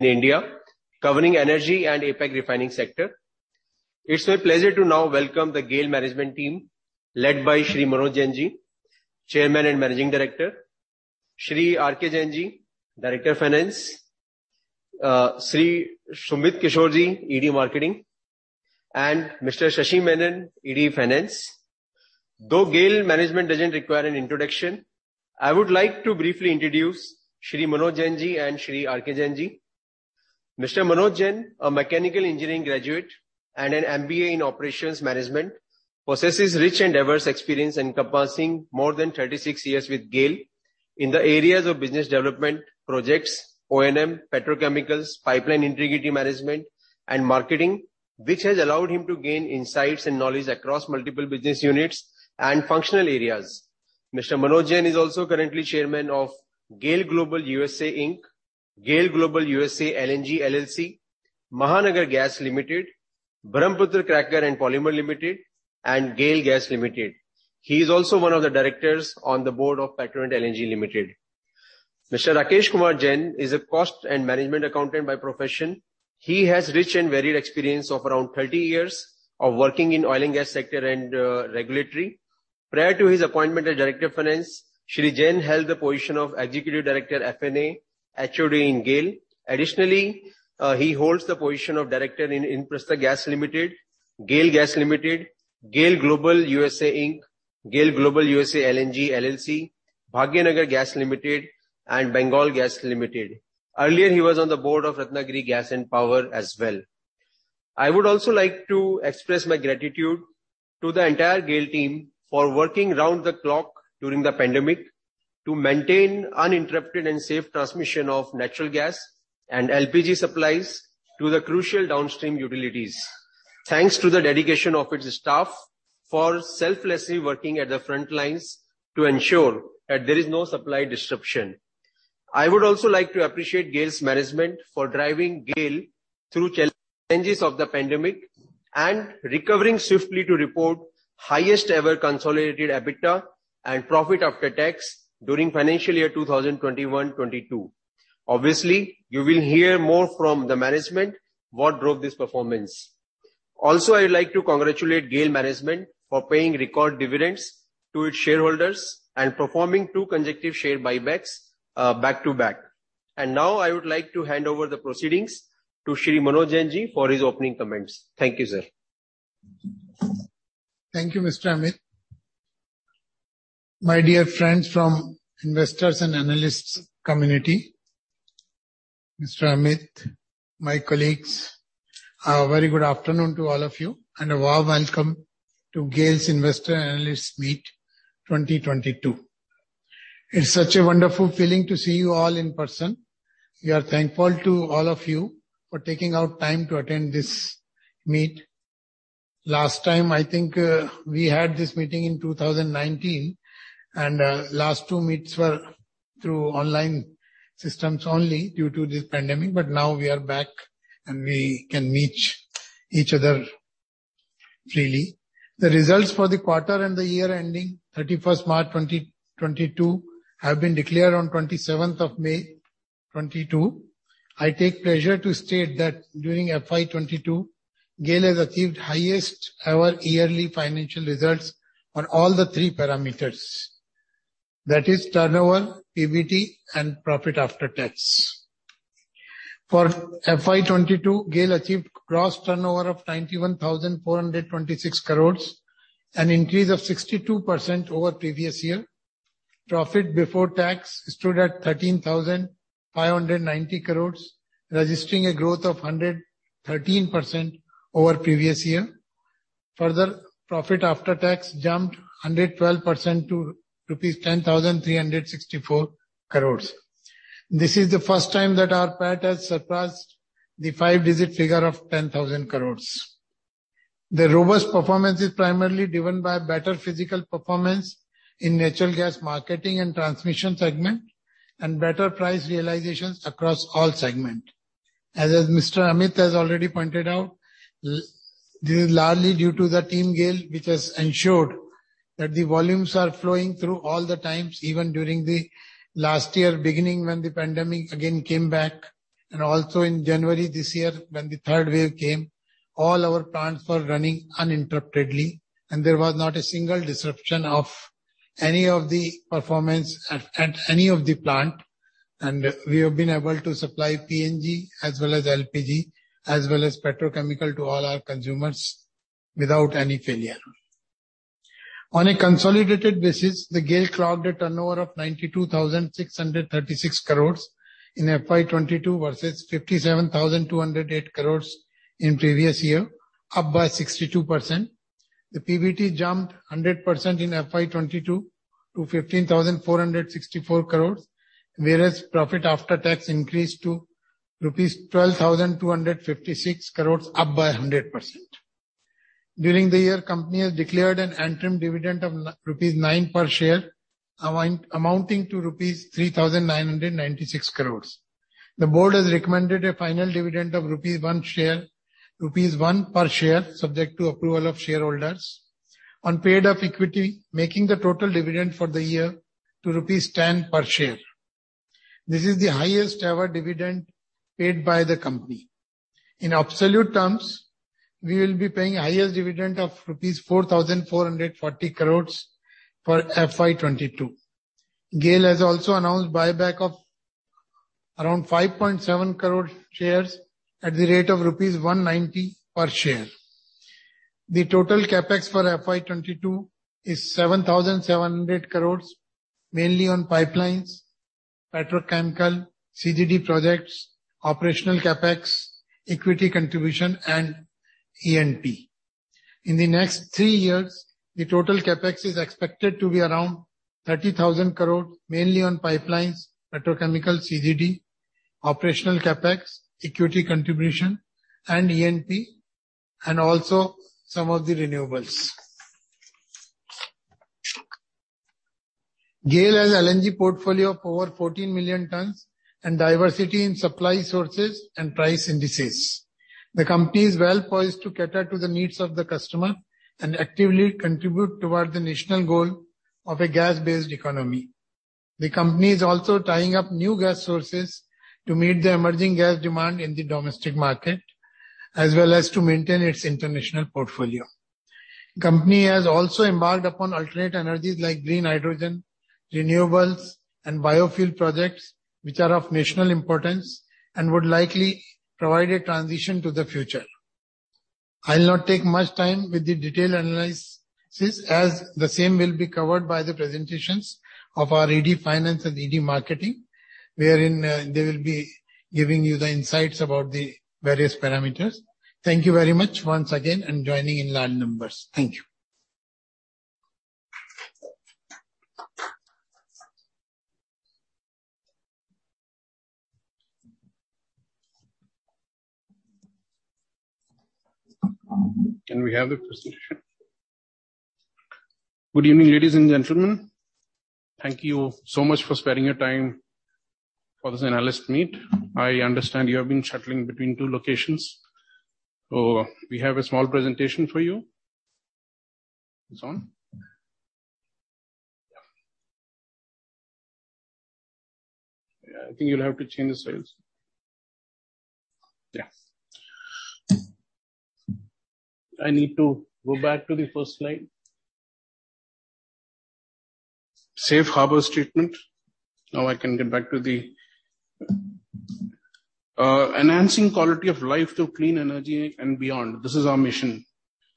In India, covering energy and APAC refining sector. It's my pleasure to now welcome the GAIL management team led by Shri Manoj Jainji, Chairman and Managing Director, Shri RK Jainji, Director Finance, Shri Sumit Kishoreji, ED Marketing, and Mr. Shashi Menon, ED Finance. Though GAIL management doesn't require an introduction, I would like to briefly introduce Shri Manoj Jainji and Shri RK Jainji. Mr. Manoj Jain, a mechanical engineering graduate and an MBA in operations management, possesses rich and diverse experience encompassing more than 36 years with GAIL in the areas of business development, projects, O&M, petrochemicals, pipeline integrity management and marketing, which has allowed him to gain insights and knowledge across multiple business units and functional areas. Mr. Manoj Jain is also currently Chairman of GAIL Global (USA) Inc., GAIL Global (USA) LNG LLC, Mahanagar Gas Limited, Brahmaputra Cracker and Polymer Limited, and GAIL Gas Limited. He is also one of the directors on the board of Petronet LNG Limited. Mr. Rakesh Kumar Jain is a cost and management accountant by profession. He has rich and varied experience of around 30 years of working in oil and gas sector and regulatory. Prior to his appointment as Director of Finance, Shri Jain held the position of Executive Director F&A, HOD in GAIL. Additionally, he holds the position of director in Indraprastha Gas Limited, GAIL Gas Limited, GAIL Global (USA) Inc., GAIL Global (USA) LNG LLC, Bhagyanagar Gas Limited, and Bengal Gas Company Limited. Earlier, he was on the board of Ratnagiri Gas and Power Private Limited as well. I would also like to express my gratitude to the entire GAIL team for working round the clock during the pandemic to maintain uninterrupted and safe transmission of natural gas and LPG supplies to the crucial downstream utilities. Thanks to the dedication of its staff for selflessly working at the front lines to ensure that there is no supply disruption. I would also like to appreciate GAIL's management for driving GAIL through challenges of the pandemic and recovering swiftly to report highest ever consolidated EBITDA and profit after tax during financial year 2021, 2022. Obviously, you will hear more from the management what drove this performance. Also, I would like to congratulate GAIL management for paying record dividends to its shareholders and performing two consecutive share buybacks, back-to-back. Now I would like to hand over the proceedings to Shri Manoj Jainji for his opening comments. Thank you, sir. Thank you, Mr. Amit. My dear friends from investors and analysts community, Mr. Amit, my colleagues, a very good afternoon to all of you and a warm welcome to GAIL's Investor Analyst Meet 2022. It's such a wonderful feeling to see you all in person. We are thankful to all of you for taking out time to attend this meet. Last time, I think, we had this meeting in 2019, and last two meets were through online systems only due to this pandemic, but now we are back, and we can meet each other freely. The results for the quarter and the year ending 31st March 2022 have been declared on 27th of May 2022. I take pleasure to state that during FY 2022, GAIL has achieved highest ever yearly financial results on all the three parameters. That is turnover, PBT, and profit after tax. For FY 2022, GAIL achieved gross turnover of 91,426 crore, an increase of 62% over previous year. Profit before tax stood at 13,590 crores, registering a growth of 113% over previous year. Further, profit after tax jumped 112% to rupees 10,364 crores. This is the first time that our PAT has surpassed the five-digit figure of 10,000 crores. The robust performance is primarily driven by better physical performance in natural gas marketing and transmission segment, and better price realizations across all segment. As Mr. Amit has already pointed out, this is largely due to the team GAIL, which has ensured that the volumes are flowing through all the times, even during the last year beginning, when the pandemic again came back, and also in January this year when the third wave came, all our plants were running uninterruptedly, and there was not a single disruption of any of the performance at any of the plant. We have been able to supply PNG as well as LPG, as well as petrochemical to all our consumers without any failure. On a consolidated basis, the GAIL clocked a turnover of 92,636 crores in FY 2022 versus 57,208 crore in previous year, up by 62%. The PBT jumped 100% in FY 2022 to 15,464 crores, whereas profit after tax increased to rupees 12,256 crores, up by 100%. During the year, company has declared an interim dividend of rupees 9 per share, amounting to rupees 3,996 crores. The board has recommended a final dividend of rupees 1 per share, subject to approval of shareholders on paid-up equity, making the total dividend for the year to rupees 10 per share. This is the highest ever dividend paid by the company. In absolute terms, we will be paying highest dividend of rupees 4,440 crores for FY 2022. GAIL has also announced buyback of around 5.7 crore shares at the rate of rupees 190 per share. The total CapEx for FY 2022 is 7,700 crores, mainly on pipelines, petrochemical, CGD projects, operational CapEx, equity contribution and E&P. In the next three years, the total CapEx is expected to be around 30,000 crore, mainly on pipelines, petrochemical, CGD, operational CapEx, equity contribution and E&P, and also some of the renewables. GAIL has LNG portfolio of over 14 million tons and diversity in supply sources and price indices. The company is well poised to cater to the needs of the customer and actively contribute towards the national goal of a gas-based economy. The company is also tying up new gas sources to meet the emerging gas demand in the domestic market, as well as to maintain its international portfolio. Company has also embarked upon alternative energies like green hydrogen, renewables and biofuel projects which are of national importance and would likely provide a transition to the future. I'll not take much time with the detailed analysis, as the same will be covered by the presentations of our ED Finance and ED Marketing, wherein they will be giving you the insights about the various parameters. Thank you very much once again, and joining in line numbers. Thank you. Can we have the presentation? Good evening, ladies and gentlemen. Thank you so much for sparing your time for this analyst meet. I understand you have been shuttling between two locations. We have a small presentation for you. It's on? Yeah. Yeah, I think you'll have to change the slides. Yeah. I need to go back to the first slide. Safe harbor statement. Now I can get back to enhancing quality of life through clean energy and beyond. This is our mission.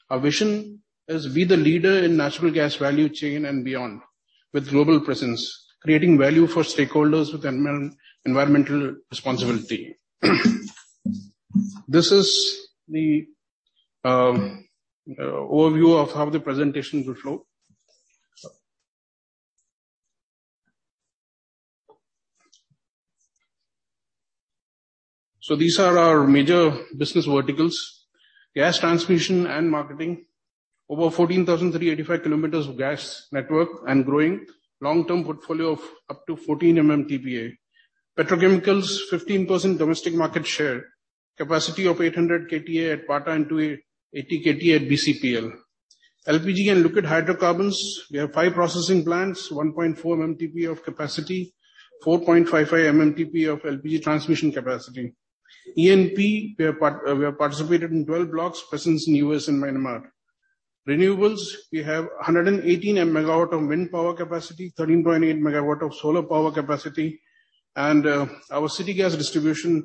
Our vision is be the leader in natural gas value chain and beyond with global presence, creating value for stakeholders with environmental responsibility. This is the overview of how the presentation will flow. These are our major business verticals. Gas transmission and marketing, over 14,385 kilometers of gas network and growing. Long term portfolio of up to 14 MMTPA. Petrochemicals, 15% domestic market share. Capacity of 800 KTA at Pata and 280 KTA at BCPL. LPG and liquid hydrocarbons, we have five processing plants, 1.4 MMTPA of capacity, 4.55 MMTPA of LPG transmission capacity. E&P, we have participated in 12 blocks, presence in U.S. and Myanmar. Renewables, we have 118 MW of wind power capacity, 13.8 MW of solar power capacity. Our city gas distribution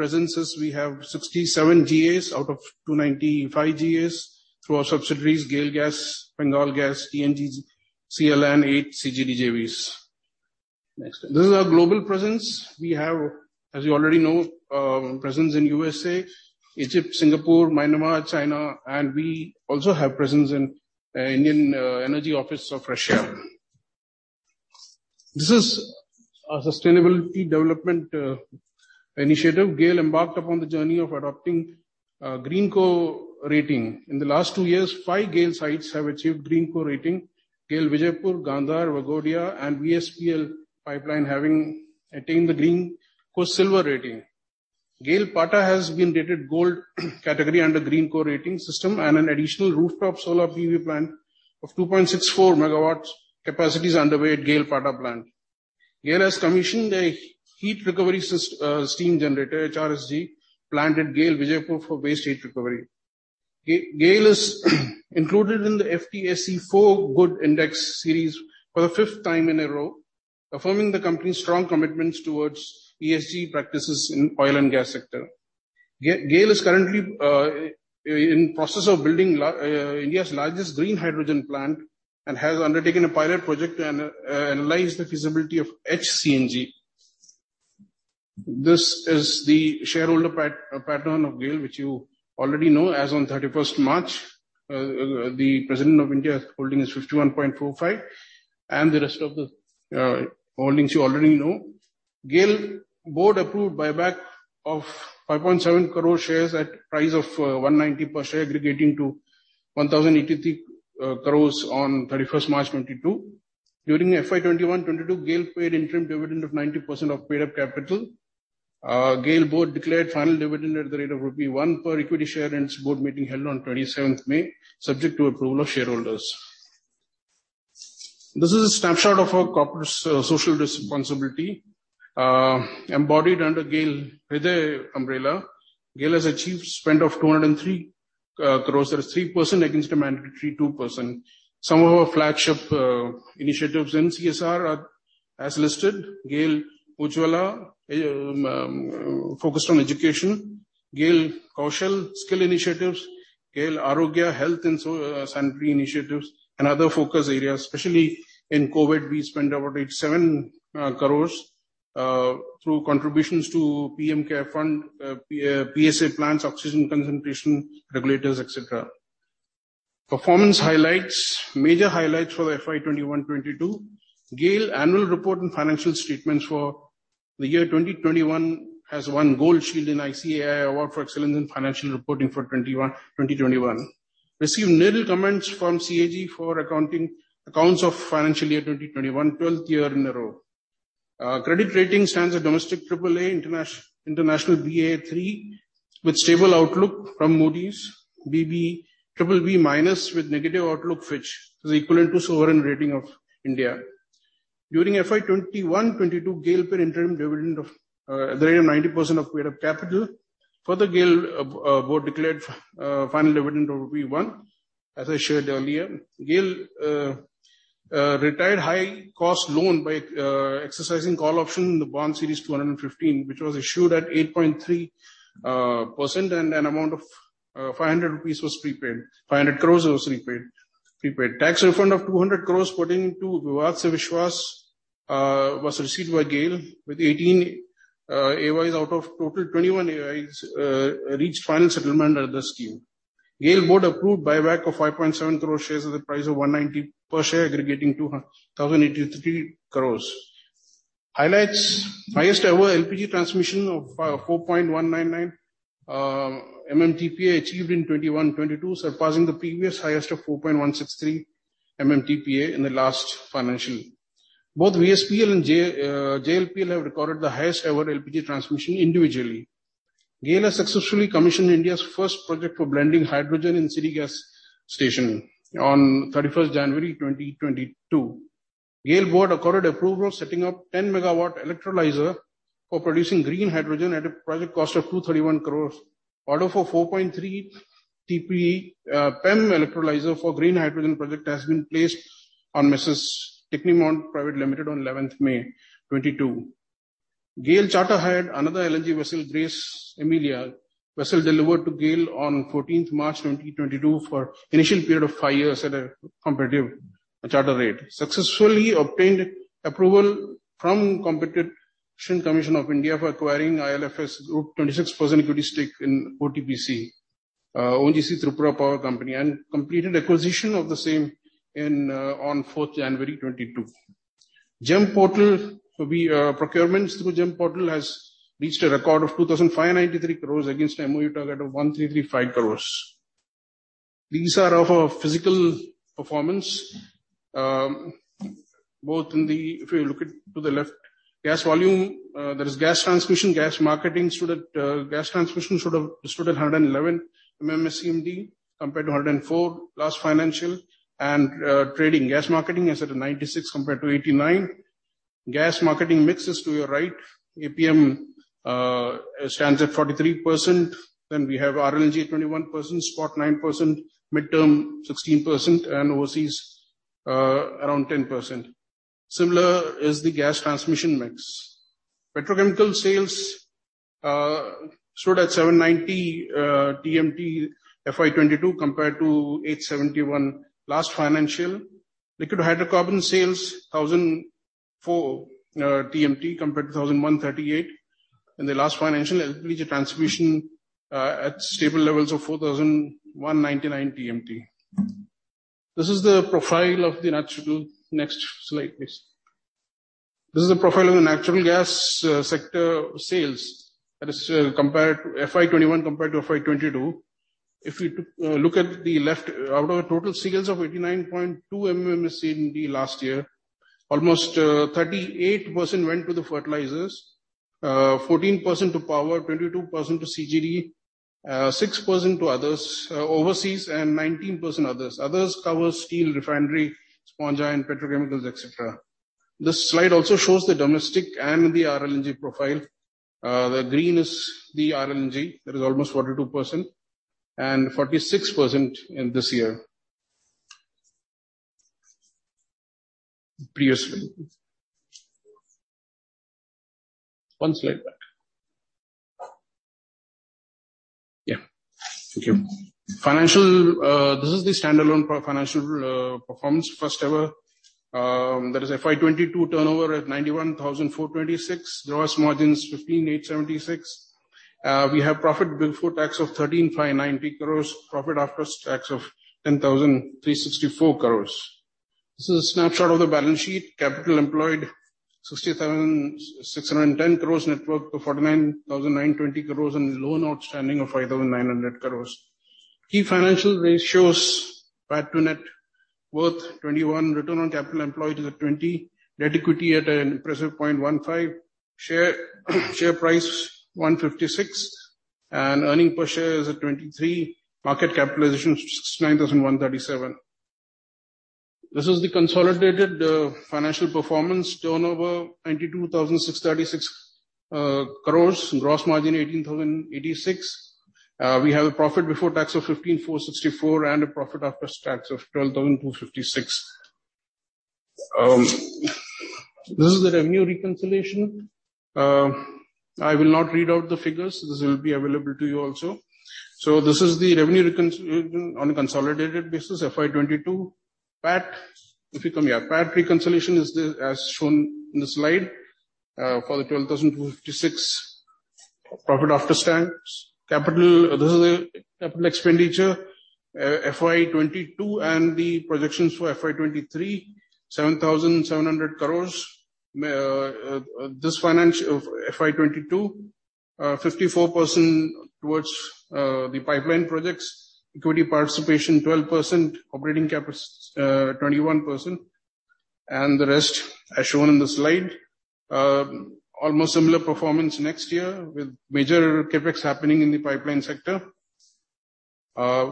presences, we have 67 GAs out of 295 GAs through our subsidiaries, GAIL Gas, Bengal Gas, TNGCL and eight CGD JVs. Next. This is our global presence. We have, as you already know, presence in U.S.A, Egypt, Singapore, Myanmar, China, and we also have presence in Indian energy office of Russia. This is our sustainable development initiative. GAIL embarked upon the journey of adopting GreenCo rating. In the last two years, five GAIL sites have achieved GreenCo rating. GAIL Vijaypur, Gandhar, Vaghodia and VSPL pipeline having attained the GreenCo Silver rating. GAIL Pata has been rated Gold category under GreenCo rating system and an additional rooftop solar PV plant of 2.64 megawatts capacity is underway at GAIL Pata plant. GAIL has commissioned a heat recovery steam generator, HRSG, plant at GAIL Vijaypur for waste heat recovery. GAIL is included in the FTSE4Good Index Series for the fifth time in a row, affirming the company's strong commitments towards ESG practices in oil and gas sector. GAIL is currently in process of building India's largest green hydrogen plant and has undertaken a pilot project to analyze the feasibility of HCNG. This is the shareholder pattern of GAIL, which you already know. As on 31 March, the President of India is holding his 51.45%, and the rest of the holdings you already know. GAIL board approved buyback of 5.7 crore shares at price of 190 per share, aggregating to 1,083 crore on 31st March 2022. During FY 2021-2022, GAIL paid interim dividend of 90% of paid-up capital. GAIL board declared final dividend at the rate of 1 per equity share in its board meeting held on 27th May, subject to approval of shareholders. This is a snapshot of our corporate social responsibility, embodied under GAIL Hriday umbrella. GAIL has achieved spend of 203 crore. That is 3% against a mandatory 2%. Some of our flagship initiatives in CSR are as listed. GAIL Ujjwal, focused on education. GAIL Kaushal, skill initiatives. GAIL Arogya, health and sanitary initiatives, and other focus areas. Especially in COVID, we spent about 87 crores through contributions to PM CARES Fund, PSA plants, oxygen concentration regulators, et cetera. Performance highlights. Major highlights for FY 2021-2022. GAIL annual report and financial statements for the year 2021 has won Gold Shield in ICAI Award for Excellence in Financial Reporting for 2021. Received nil comments from CAG for accounts of financial year 2021, twelfth year in a row. Credit rating stands at domestic AAA, international Baa3 with stable outlook from Moody's. BBB- with negative outlook, which is equivalent to sovereign rating of India. During FY 2021-2022, GAIL paid interim dividend of the rate of 90% of paid-up capital. Further, GAIL board declared final dividend of 1, as I shared earlier. GAIL retired high cost loan by exercising call option in the bond series 215, which was issued at 8.3%, and an amount of 500 crore rupees was prepaid. 500 crore was repaid, prepaid. Tax refund of 200 crore put into Vivad Se Vishwas was received by GAIL, with 18 AYs out of total 21 AYs reached final settlement under the scheme. GAIL board approved buyback of 5.7 crore shares at the price of 190 per share, aggregating 2,083 crore. Highlights. Highest ever LPG transmission of 4.199 MMTPA achieved in 2021-2022, surpassing the previous highest of 4.163 MMTPA in the last financial year. Both VSPL and JLPL have recorded the highest ever LPG transmission individually. GAIL has successfully commissioned India's first project for blending hydrogen in city gas station on 31 January 2022. GAIL board accorded approval of setting up 10 MW electrolyzer for producing green hydrogen at a project cost of 231 crore. Order for 4.3 TPD PEM electrolyzer for green hydrogen project has been placed on Tecnimont Private Limited on 11 May 2022. GAIL chartered another LNG vessel, Grace Emilia. Vessel delivered to GAIL on 14 March 2022 for initial period of five years at a competitive charter rate. Successfully obtained approval from Competition Commission of India for acquiring IL&FS Group 26% equity stake in OTPC, ONGC Tripura Power Company, and completed acquisition of the same on 4 January 2022. GeM portal. Procurement through GeM portal has reached a record of 2,593 crores against MOU target of 1,335 crores. These are of our physical performance both in the. If you look to the left, gas volume, that is gas transmission, gas marketing stood at 111 MMSCMD compared to 104 last financial. Trading gas marketing is at 96 compared to 89. Gas marketing mix is to your right. APM stands at 43%. Then we have RLNG at 21%, spot 9%, midterm 16%, and overseas around 10%. Similar is the gas transmission mix. Petrochemical sales stood at 790 TMT FY 2022 compared to 871 last financial. Liquid hydrocarbon sales, 1,004 TMT compared to 1,138 in the last financial. LPG transmission at stable levels of 4,199 TMT. Next slide, please. This is the profile of the natural gas sector sales. That is compared to FY 2021 compared to FY 2022. If you took a look at the left, out of a total sales of 89.2 MMSCMD last year, almost 38% went to the fertilizers, 14% to power, 22% to CGD, 6% to others, overseas, and 19% others. Others cover steel, refinery, sponge iron, petrochemicals, et cetera. This slide also shows the domestic and the RLNG profile. The green is the RLNG. That is almost 42% and 46% in this year. Previously. One slide back. Yeah. Thank you. Financial, this is the standalone financial performance first ever. That is FY 2022 turnover at 91,426 crore. Gross margins 15,876 crore. We have profit before tax of 13,590 crore. Profit after tax of 10,364 crore. This is a snapshot of the balance sheet. Capital employed 60,610 crore. Net worth of 49,920 crore, and loan outstanding of 5,900 crore. Key financial ratios. PAT to net worth 21%. Return on capital employed is at 20%. Net equity at an impressive 0.15. Share price ₹156. Earning per share is at ₹23. Market capitalization 69,137 crore. This is the consolidated financial performance. Turnover 92,636 crore. Gross margin 18,086 crore. We have a profit before tax of 15,464 crore, and a profit after tax of 12,256 crore. This is the revenue reconciliation. I will not read out the figures. This will be available to you also. This is the revenue reconciliation on a consolidated basis, FY 2022. PAT, if you come here, PAT reconciliation is the, as shown in the slide, for the 12,256 crore. Profit after tax. Capital, this is the capital expenditure, FY 2022 and the projections for FY 2023, 7,700 crores. This financial FY 2022, 54% towards the pipeline projects. Equity participation 12%, operating CapEx 21%, and the rest as shown in the slide. Almost similar performance next year with major CapEx happening in the pipeline sector.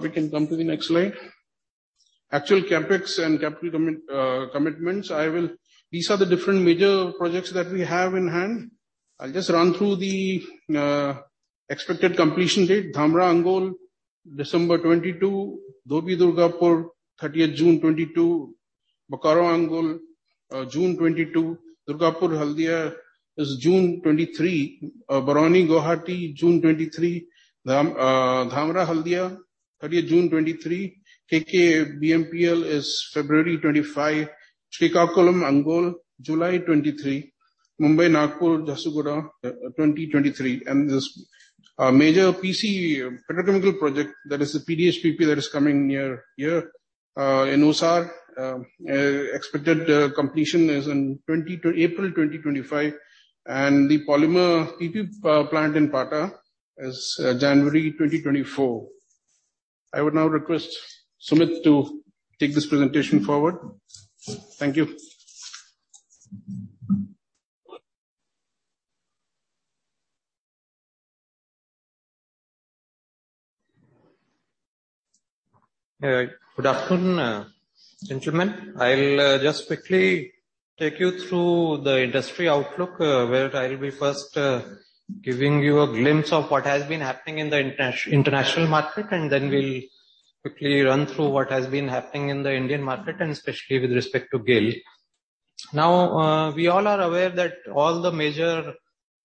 We can come to the next slide. Actual CapEx and capital commitments. These are the different major projects that we have in hand. I'll just run through the expected completion date. Dhamra-Angul, December 2022. Dobhi-Durgapur, 30 June 2022. Bokaro-Angul, June 2022. Durgapur-Haldia is June 2023. Barauni-Guwahati, June 2023. Dhamra-Haldia, 30 June 2023. KKBMPL is February 2025. Srikakulam-Angul, July 2023. Mumbai-Nagpur-Jharsuguda, 2023. This major PC petrochemical project that is the PDH-PP that is coming near here in Usar. Expected completion is in April 2025. The polymer PP plant in Pata is January 2024. I would now request Sumit Kishore to take this presentation forward. Thank you. Good afternoon, gentlemen. I'll just quickly take you through the industry outlook, where I'll be first giving you a glimpse of what has been happening in the international market, and then we'll quickly run through what has been happening in the Indian market and especially with respect to GAIL. Now, we all are aware that all the major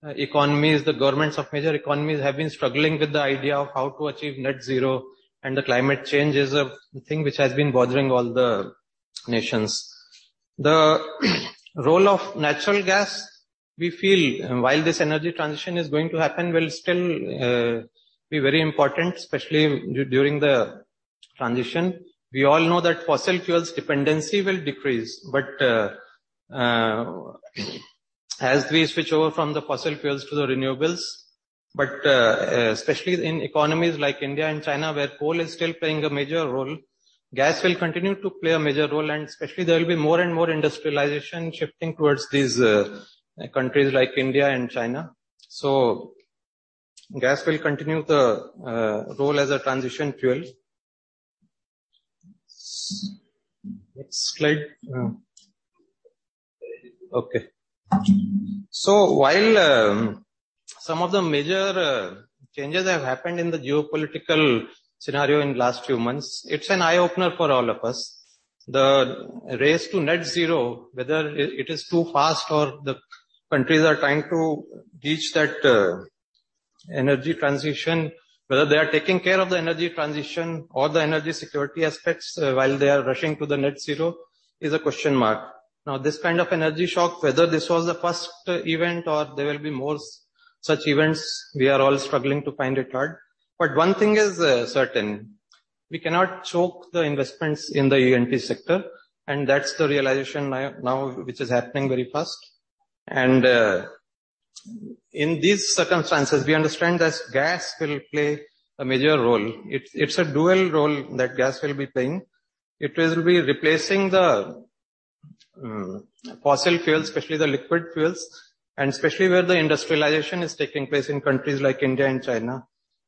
economies, the governments of major economies have been struggling with the idea of how to achieve net zero and the climate change is a thing which has been bothering all the nations. The role of natural gas, we feel, while this energy transition is going to happen, will still be very important, especially during the transition. We all know that fossil fuels dependency will decrease, but as we switch over from the fossil fuels to the renewables, but especially in economies like India and China where coal is still playing a major role, gas will continue to play a major role and especially there will be more and more industrialization shifting towards these countries like India and China. Gas will continue the role as a transition fuel. Next slide. Okay. While some of the major changes have happened in the geopolitical scenario in last few months, it's an eye-opener for all of us. The race to net zero, whether it is too fast or the countries are trying to reach that, energy transition, whether they are taking care of the energy transition or the energy security aspects, while they are rushing to the net zero is a question mark. Now, this kind of energy shock, whether this was the first event or there will be more such events, we are all struggling to find it hard. One thing is certain, we cannot choke the investments in the E&P sector, and that's the realization now, which is happening very fast. In these circumstances, we understand that gas will play a major role. It's a dual role that gas will be playing. It will be replacing the fossil fuels, especially the liquid fuels, and especially where the industrialization is taking place in countries like India and China.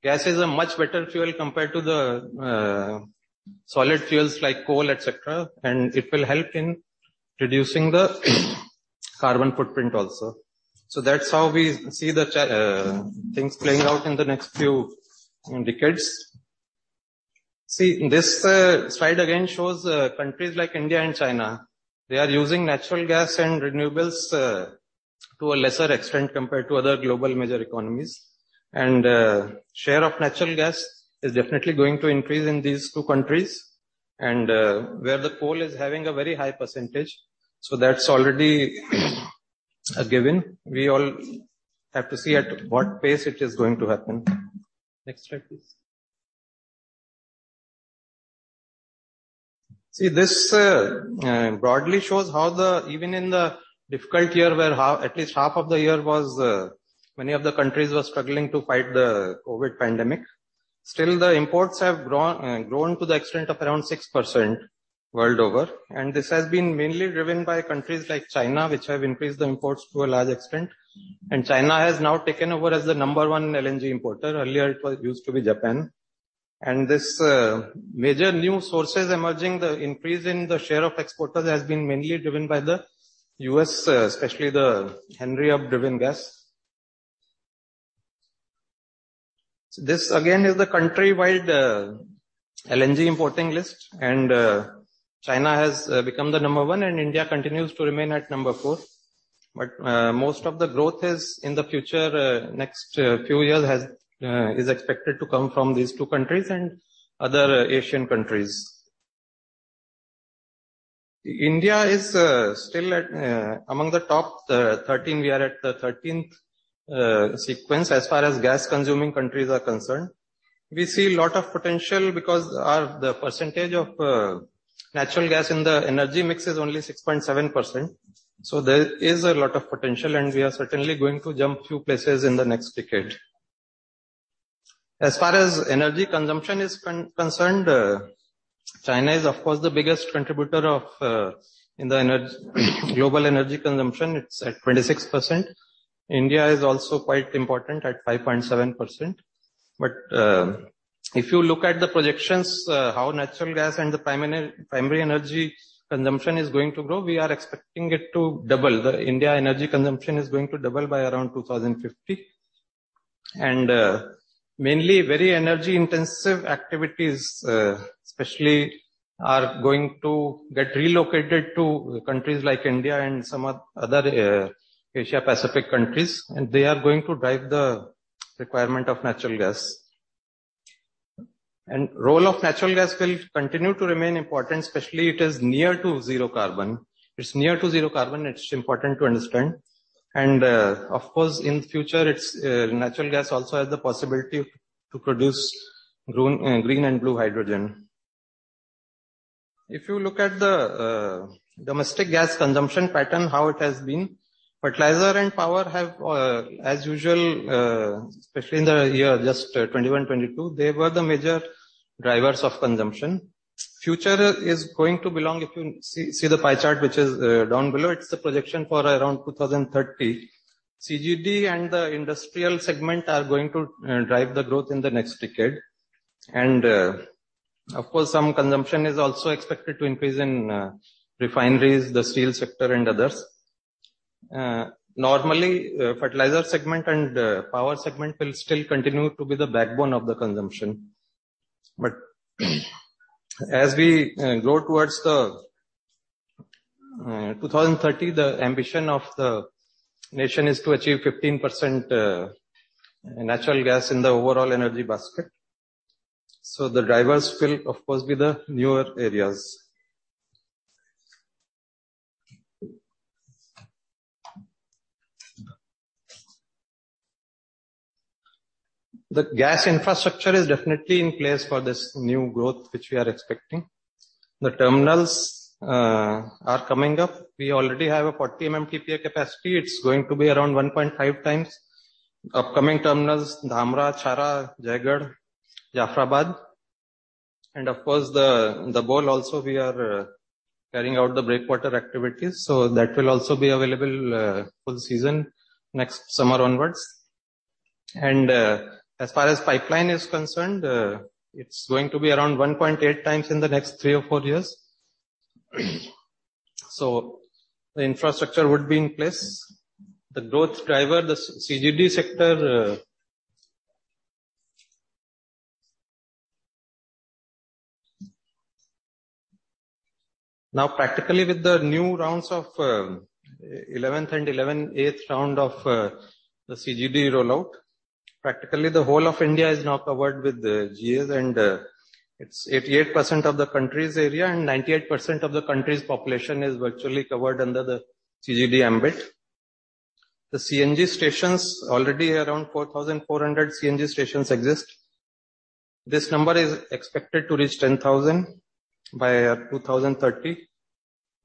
Gas is a much better fuel compared to the solid fuels like coal, et cetera, and it will help in reducing the carbon footprint also. That's how we see things playing out in the next few decades. See, this slide again shows countries like India and China. They are using natural gas and renewables to a lesser extent compared to other global major economies. Share of natural gas is definitely going to increase in these two countries and where the coal is having a very high percentage. That's already a given. We all have to see at what pace it is going to happen. Next slide, please. See, this broadly shows how the even in the difficult year where at least half of the year was, many of the countries were struggling to fight the COVID pandemic. Still the imports have grown to the extent of around 6% world over, and this has been mainly driven by countries like China, which have increased the imports to a large extent. China has now taken over as the number one LNG importer. Earlier it was used to be Japan. This, major new sources emerging, the increase in the share of exporters has been mainly driven by the U.S., especially the Henry Hub driven gas. This again is the country-wide LNG importing list. China has become the number one and India continues to remain at number four. Most of the growth is in the future next few years is expected to come from these two countries and other Asian countries. India is still among the top 13. We are at the 13th sequence as far as gas consuming countries are concerned. We see a lot of potential because our the percentage of natural gas in the energy mix is only 6.7%. There is a lot of potential and we are certainly going to jump a few places in the next decade. As far as energy consumption is concerned, China is of course the biggest contributor of in the global energy consumption. It's at 26%. India is also quite important at 5.7%. If you look at the projections, how natural gas and the primary energy consumption is going to grow, we are expecting it to double. India energy consumption is going to double by around 2050. Mainly very energy intensive activities, especially are going to get relocated to countries like India and some other Asia-Pacific countries, and they are going to drive the requirement of natural gas. Role of natural gas will continue to remain important, especially it is near to zero carbon. It's near to zero carbon, it's important to understand. Of course, in future, its natural gas also has the possibility to produce green and blue hydrogen. If you look at the domestic gas consumption pattern, how it has been, fertilizer and power have, as usual, especially in the year just, 2021, 2022, they were the major drivers of consumption. Future is going to belong, if you see the pie chart which is down below, it's the projection for around 2030. CGD and the industrial segment are going to drive the growth in the next decade. Of course, some consumption is also expected to increase in refineries, the steel sector and others. Normally, fertilizer segment and power segment will still continue to be the backbone of the consumption. As we go towards 2030, the ambition of the nation is to achieve 15% natural gas in the overall energy basket. The drivers will of course be the newer areas. The gas infrastructure is definitely in place for this new growth which we are expecting. The terminals are coming up. We already have a 40 MMTPA capacity. It's going to be around 1.5x. Upcoming terminals Dhamra, Chhara, Jaigarh, Jafrabad. Of course, the port also we are carrying out the breakwater activities, so that will also be available for the season next summer onwards. As far as pipeline is concerned, it's going to be around 1.8x in the next three or four years. The infrastructure would be in place. The growth driver, the CGD sector. Practically with the new rounds of eighth round of the CGD rollout, practically the whole of India is now covered with the GAs and it's 88% of the country's area and 98% of the country's population is virtually covered under the CGD ambit. The CNG stations, already around 4,400 CNG stations exist. This number is expected to reach 10,000 by 2030.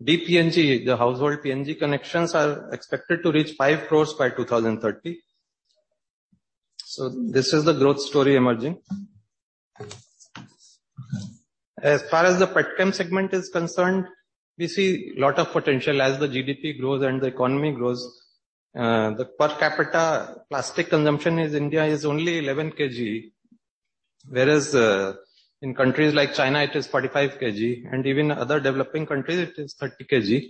DPNG, the household PNG connections are expected to reach 5 crores by 2030. This is the growth story emerging. As far as the petchem segment is concerned, we see lot of potential as the GDP grows and the economy grows. The per capita plastic consumption in India is only 11 kg, whereas in countries like China it is 45 kg, and even other developing countries it is 30 kg.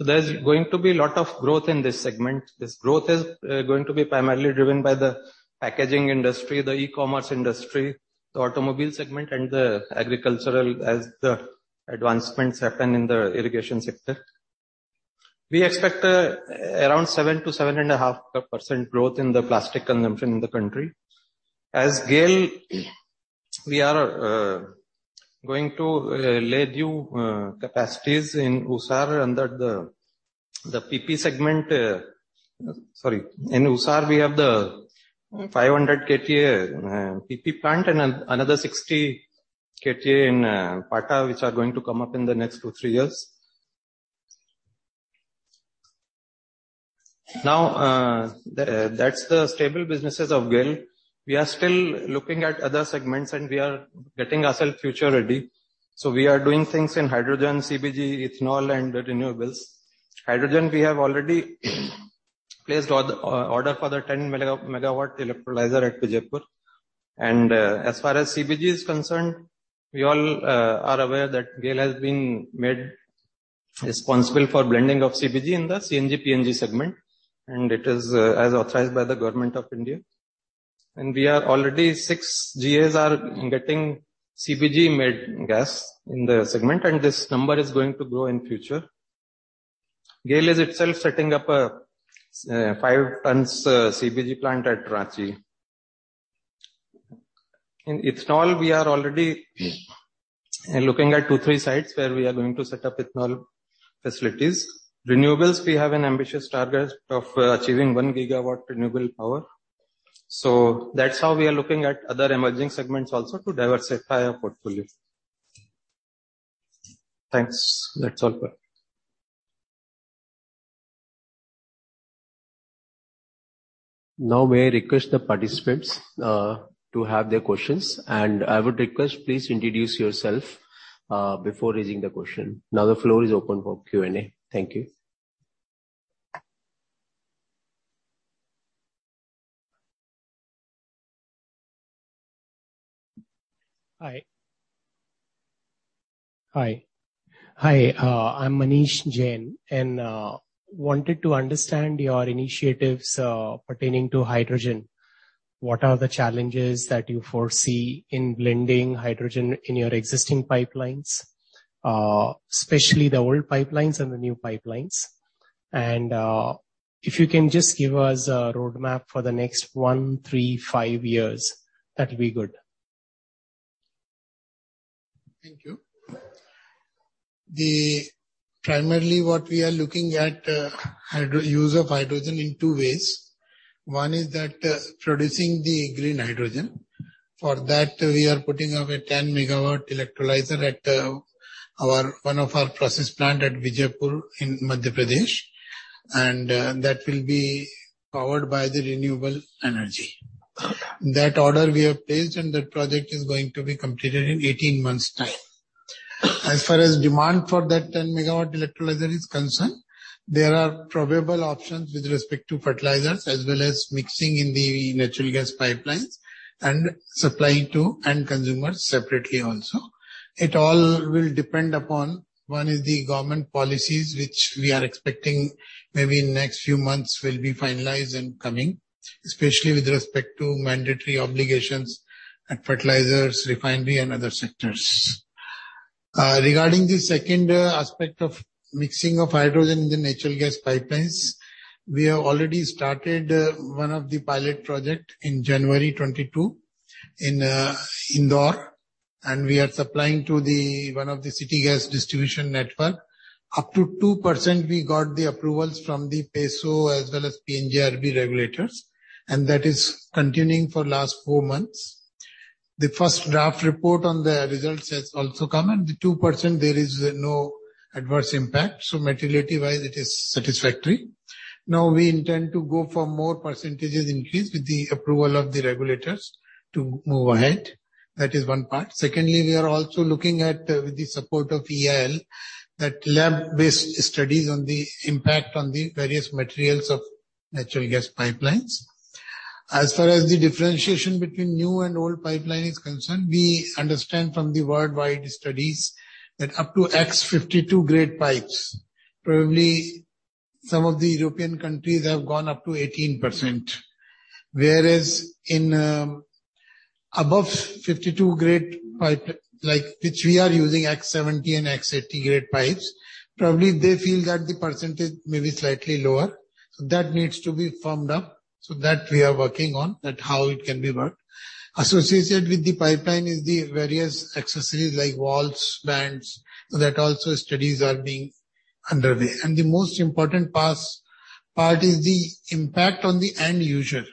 There's going to be lot of growth in this segment. This growth is going to be primarily driven by the packaging industry, the e-commerce industry, the automobile segment, and the agricultural as the advancements happen in the irrigation sector. We expect around 7%-7.5% growth in the plastic consumption in the country. As GAIL, we are going to lay new capacities in Usar under the The PP segment. In Usar we have the 500 KTA PP plant and another 60 KTA in Pata, which are going to come up in the next two years-three years. Now, that's the stable businesses of GAIL. We are still looking at other segments and we are getting ourselves future-ready. We are doing things in hydrogen, CBG, ethanol and renewables. Hydrogen, we have already placed order for the 10-megawatt electrolyzer at Vijaypur. As far as CBG is concerned, we all are aware that GAIL has been made responsible for blending of CBG in the CNG PNG segment, and it is as authorized by the government of India. We are already, six GAs are getting CBG-made gas in the segment, and this number is going to grow in future. GAIL is itself setting up a 5 tons CBG plant at Ranchi. In ethanol we are already looking at two-three sites where we are going to set up ethanol facilities. Renewables, we have an ambitious target of achieving one gigawatt renewable power. That's how we are looking at other emerging segments also to diversify our portfolio. Thanks. That's all. Now may I request the participants to have their questions, and I would request, please introduce yourself before raising the question. Now the floor is open for Q&A. Thank you. Hi, I'm Manish Jain, and wanted to understand your initiatives pertaining to hydrogen. What are the challenges that you foresee in blending hydrogen in your existing pipelines, especially the old pipelines and the new pipelines? If you can just give us a roadmap for the next one, three, five years, that'll be good. Thank you. Primarily what we are looking at, use of hydrogen in two ways. One is that producing the green hydrogen. For that we are putting up a 10-megawatt electrolyzer at our one of our process plant at Vijaypur in Madhya Pradesh, and that will be powered by the renewable energy. That order we have placed and that project is going to be completed in 18 months' time. As far as demand for that 10-megawatt electrolyzer is concerned, there are probable options with respect to fertilizers as well as mixing in the natural gas pipelines and supplying to end consumers separately also. It all will depend upon, one is the government policies which we are expecting maybe in next few months will be finalized and coming, especially with respect to mandatory obligations at fertilizers, refinery and other sectors. Regarding the second aspect of mixing of hydrogen in the natural gas pipelines, we have already started one of the pilot project in January 2022 in Indore, and we are supplying to one of the city gas distribution network. Up to 2% we got the approvals from the PESO as well as PNGRB regulators, and that is continuing for last four months. The first draft report on the results has also come, and the 2% there is no adverse impact, so materiality-wise it is satisfactory. Now we intend to go for more percentages increase with the approval of the regulators to move ahead. That is one part. Secondly, we are also looking at with the support of EAL at lab-based studies on the impact on the various materials of natural gas pipelines. As far as the differentiation between new and old pipeline is concerned, we understand from the worldwide studies that up to X52 grade pipes, probably some of the European countries have gone up to 18%. Whereas in above 52 grade pipe, like, which we are using X70 and X80 grade pipes, probably they feel that the percentage may be slightly lower. That needs to be firmed up. That we are working on, at how it can be worked. Associated with the pipeline is the various accessories like valves, bands. That also studies are being underway. The most important part is the impact on the end user.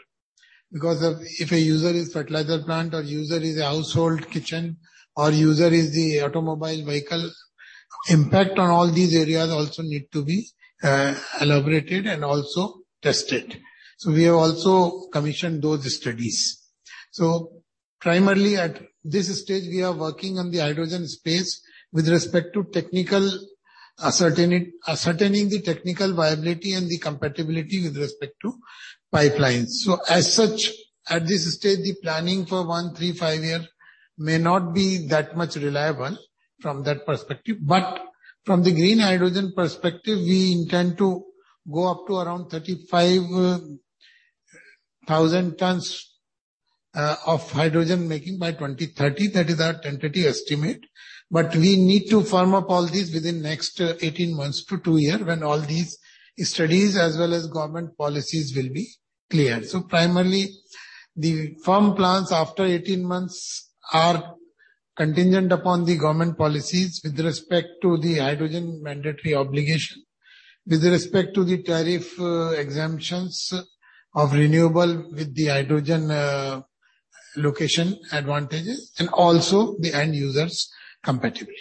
Because if a user is fertilizer plant or user is a household kitchen or user is the automobile vehicle, impact on all these areas also need to be elaborated and also tested. We have also commissioned those studies. Primarily at this stage we are working on the hydrogen space with respect to ascertaining the technical viability and the compatibility with respect to pipelines. As such, at this stage the planning for one, three, five year may not be that much reliable from that perspective. From the green hydrogen perspective, we intend to go up to around 35,000 tons of hydrogen making by 2030. That is our tentative estimate. We need to firm up all this within next 18 months to two year when all these studies as well as government policies will be clear. Primarily the firm plans after 18 months are contingent upon the government policies with respect to the hydrogen mandatory obligation, with respect to the tariff, exemptions of renewable with the hydrogen, location advantages and also the end users compatibility.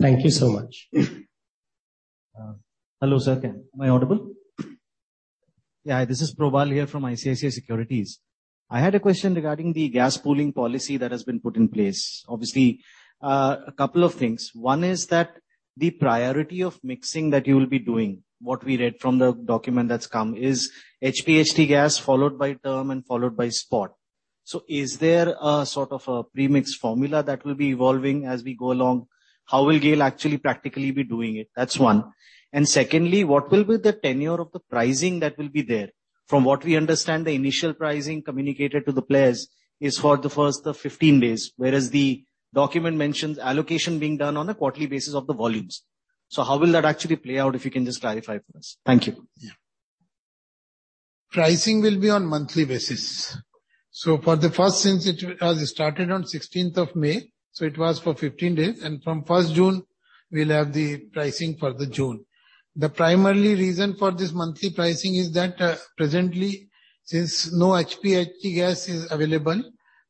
Thank you so much. Hello, sir. Am I audible? Yeah, this is Probal here from ICICI Securities. I had a question regarding the gas pooling policy that has been put in place. Obviously, a couple of things. One is that the priority of mixing that you will be doing, what we read from the document that's come, is HPHD gas followed by term and followed by spot. So is there a sort of a premix formula that will be evolving as we go along? How will GAIL actually practically be doing it? That's one. And secondly, what will be the tenure of the pricing that will be there? From what we understand, the initial pricing communicated to the players is for the first 15 days, whereas the document mentions allocation being done on a quarterly basis of the volumes. How will that actually play out, if you can just clarify for us? Thank you. Yeah. Pricing will be on monthly basis. Since it started on sixteenth of May, it was for 15 days, and from first June we'll have the pricing for June. The primary reason for this monthly pricing is that, presently, since no HPHD gas is available,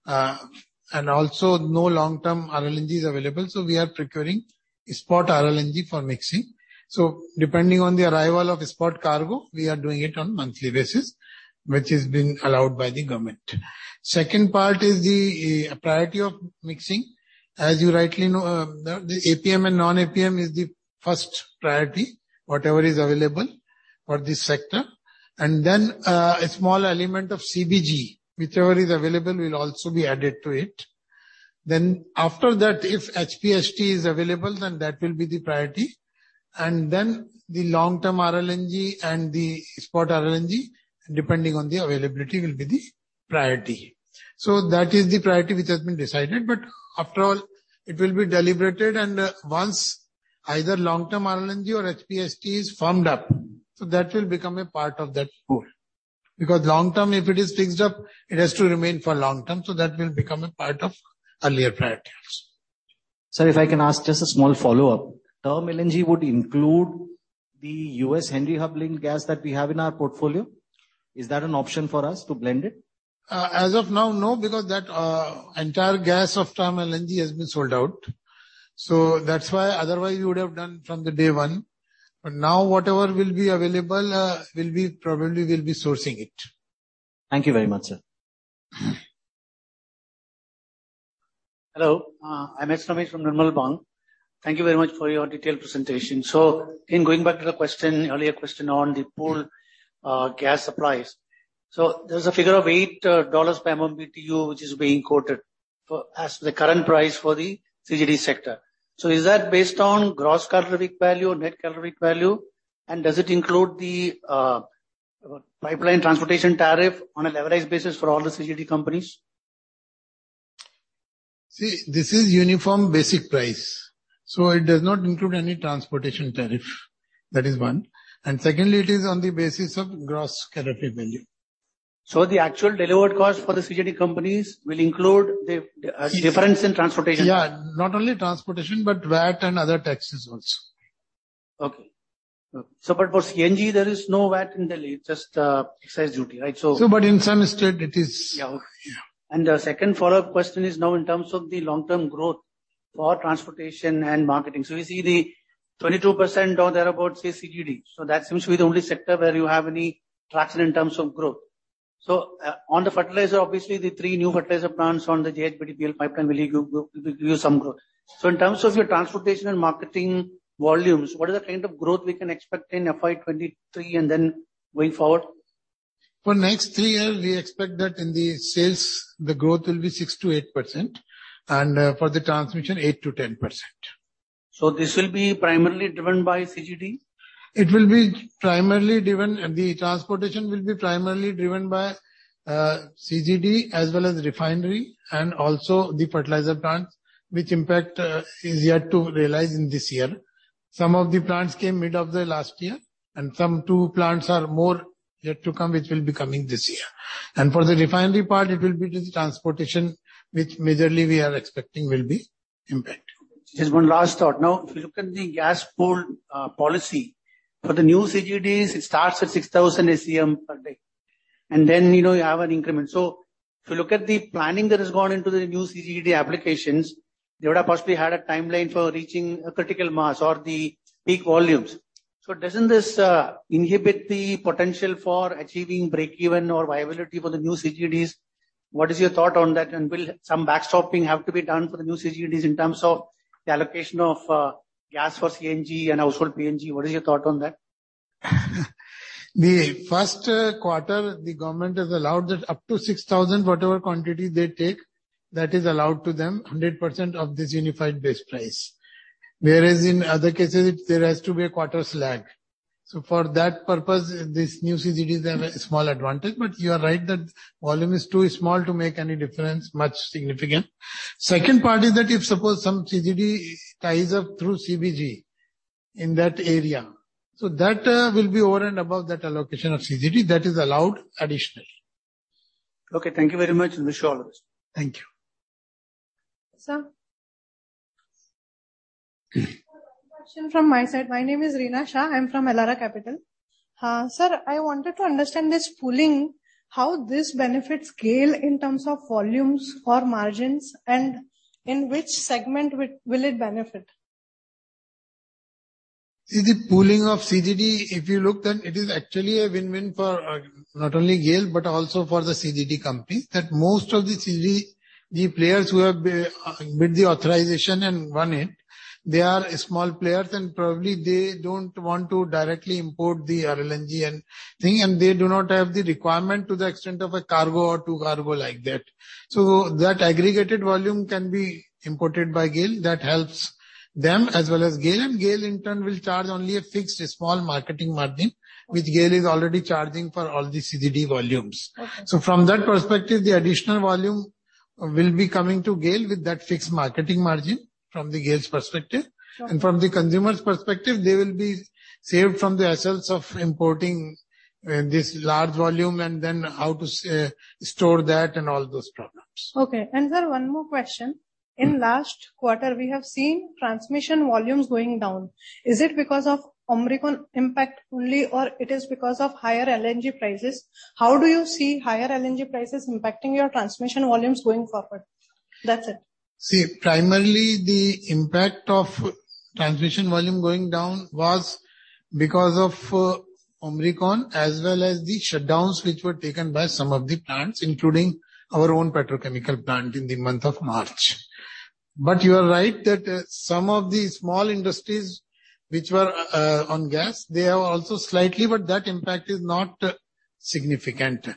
and also no long-term RLNG is available, we are procuring spot RLNG for mixing. Depending on the arrival of spot cargo, we are doing it on monthly basis, which is being allowed by the government. Second part is the priority of mixing. As you rightly know, the APM and non-APM is the first priority, whatever is available for this sector. Then, a small element of CBG, whichever is available, will also be added to it. After that, if HPHD is available, then that will be the priority. Then the long-term RLNG and the spot RLNG, depending on the availability, will be the priority. That is the priority which has been decided, but after all it will be deliberated and, once either long-term RLNG or HPHD is firmed up, so that will become a part of that pool. Because long term, if it is fixed up, it has to remain for long term, so that will become a part of earlier priorities. Sir, if I can ask just a small follow-up. Term LNG would include the U.S. Henry Hub-linked gas that we have in our portfolio. Is that an option for us to blend it? As of now, no, because the entire long-term LNG has been sold out. That's why. Otherwise, you would have done from day one. Now whatever will be available, we'll probably be sourcing it. Thank you very much, sir. Hello. I'm S. Ramesh from Nirmal Bang. Thank you very much for your detailed presentation. In going back to the question, earlier question on the pooled gas supplies. There's a figure of $8 per MMBtu which is being quoted as the current price for the CGD sector. Is that based on gross calorific value or net calorific value and does it include the pipeline transportation tariff on a leveraged basis for all the CGD companies? See, this is uniform basic price, so it does not include any transportation tariff. That is one. Secondly it is on the basis of gross calorific value. The actual delivered cost for the CGD companies will include the difference in transportation? Yeah. Not only transportation, but VAT and other taxes also. Okay. For CNG there is no VAT in Delhi, just excise duty, right? In some state it is. Yeah. Okay. Yeah. The second follow-up question is now in terms of the long-term growth for transportation and marketing. We see the 22% or thereabout is CGD. That seems to be the only sector where you have any traction in terms of growth. On the fertilizer, obviously the three new fertilizer plants on the JHBDPL pipeline will give you some growth. In terms of your transportation and marketing volumes, what is the kind of growth we can expect in FY 2023 and then going forward? For next 3 years, we expect that in the sales, the growth will be 6%-8%. For the transmission, 8%-10%. This will be primarily driven by CGD? The transportation will be primarily driven by CGD as well as refinery and also the fertilizer plants, whose impact is yet to realize in this year. Some of the plants came mid of the last year and some two more plants yet to come, which will be coming this year. For the refinery part it will be the transportation which majorly we are expecting will be impacted. Just one last thought. Now, if you look at the gas pool policy for the new CGDs, it starts at 6,000 SCM per day. Then, you know, you have an increment. If you look at the planning that has gone into the new CGD applications, they would have possibly had a timeline for reaching a critical mass or the peak volumes. Doesn't this inhibit the potential for achieving break-even or viability for the new CGDs? What is your thought on that, and will some backstopping have to be done for the new CGDs in terms of the allocation of gas for CNG and household PNG? What is your thought on that? The first quarter, the government has allowed that up to 6,000, whatever quantity they take, that is allowed to them 100% of this unified base price. Whereas in other cases, there has to be a quarter lag. For that purpose, these new CGDs have a small advantage. You are right, that volume is too small to make any difference much significant. Second part is that if suppose some CGD ties up through CBG in that area. That will be over and above that allocation of CGD that is allowed additionally. Okay, thank you very much. Wish you all the best. Thank you. Sir. One question from my side. My name is Reena Shah, I'm from Elara Capital. Sir, I wanted to understand this pooling, how this benefits GAIL in terms of volumes or margins, and in which segment will it benefit? See, the pooling of CGD, if you look then, it is actually a win-win for not only GAIL, but also for the CGD company. Most of the CGD players who have bid the authorization and won it are small players and probably they don't want to directly import the RLNG and thing, and they do not have the requirement to the extent of a cargo or two cargo like that. That aggregated volume can be imported by GAIL. That helps them as well as GAIL, and GAIL in turn will charge only a fixed small marketing margin, which GAIL is already charging for all the CGD volumes. Okay. From that perspective, the additional volume will be coming to GAIL with that fixed marketing margin from the GAIL's perspective. Sure. From the consumer's perspective, they will be saved from the hassles of importing, this large volume and then how to store that and all those problems. Okay. Sir, one more question. In last quarter, we have seen transmission volumes going down. Is it because of Omicron impact only, or it is because of higher LNG prices? How do you see higher LNG prices impacting your transmission volumes going forward? That's it. See, primarily the impact of transmission volume going down was because of Omicron, as well as the shutdowns which were taken by some of the plants, including our own petrochemical plant in the month of March. You are right that some of the small industries which were on gas, they have also slightly, but that impact is not significant.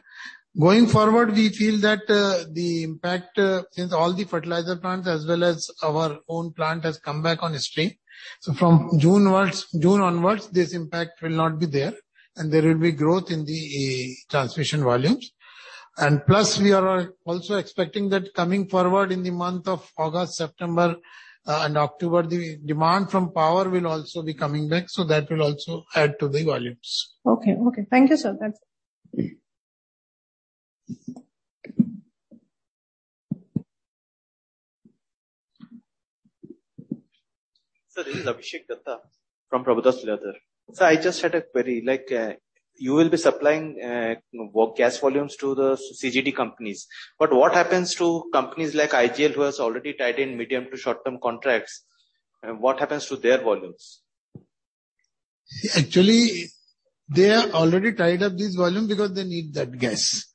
Going forward, we feel that the impact, since all the fertilizer plants as well as our own plant has come back on stream. From June onwards, this impact will not be there and there will be growth in the transmission volumes. Plus we are also expecting that coming forward in the month of August, September, and October, the demand from power will also be coming back, so that will also add to the volumes. Okay. Thank you, sir. That's it. Sir, this is Abhishek Dutta from Prabhudas Lilladher. Sir, I just had a query. Like, you will be supplying gas volumes to the CGD companies. What happens to companies like IGL who has already tied in medium to short-term contracts? What happens to their volumes? Actually, they are already tied up this volume because they need that gas.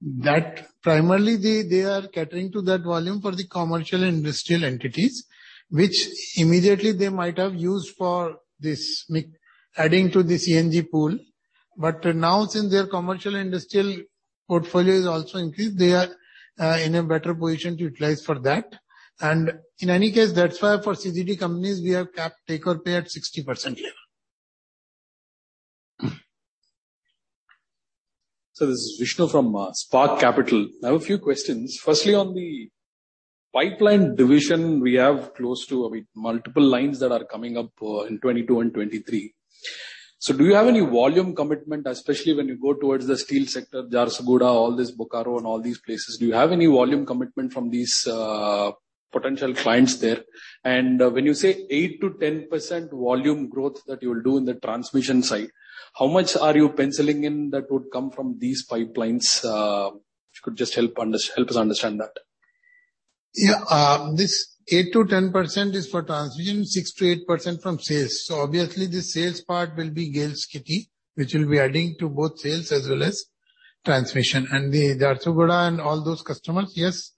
That primarily they are catering to that volume for the commercial industrial entities, which immediately they might have used for adding to the CNG pool. But now since their commercial industrial portfolio is also increased, they are in a better position to utilize for that. In any case, that's why for CGD companies we have capped take or pay at 60% year. Sir, this is Vishnu from Spark Capital. I have a few questions. Firstly, on the pipeline division, we have close to, I mean, multiple lines that are coming up in 2022 and 2023. Do you have any volume commitment, especially when you go towards the steel sector, Jharsuguda, all this Bokaro and all these places, do you have any volume commitment from these potential clients there? And when you say 8%-10% volume growth that you will do in the transmission side, how much are you penciling in that would come from these pipelines? If you could just help us understand that. Yeah. This 8%-10% is for transmission, 6%-8% from sales. Obviously the sales part will be GAIL's kitty, which will be adding to both sales as well as transmission. The Jharsuguda and all those customers, yes,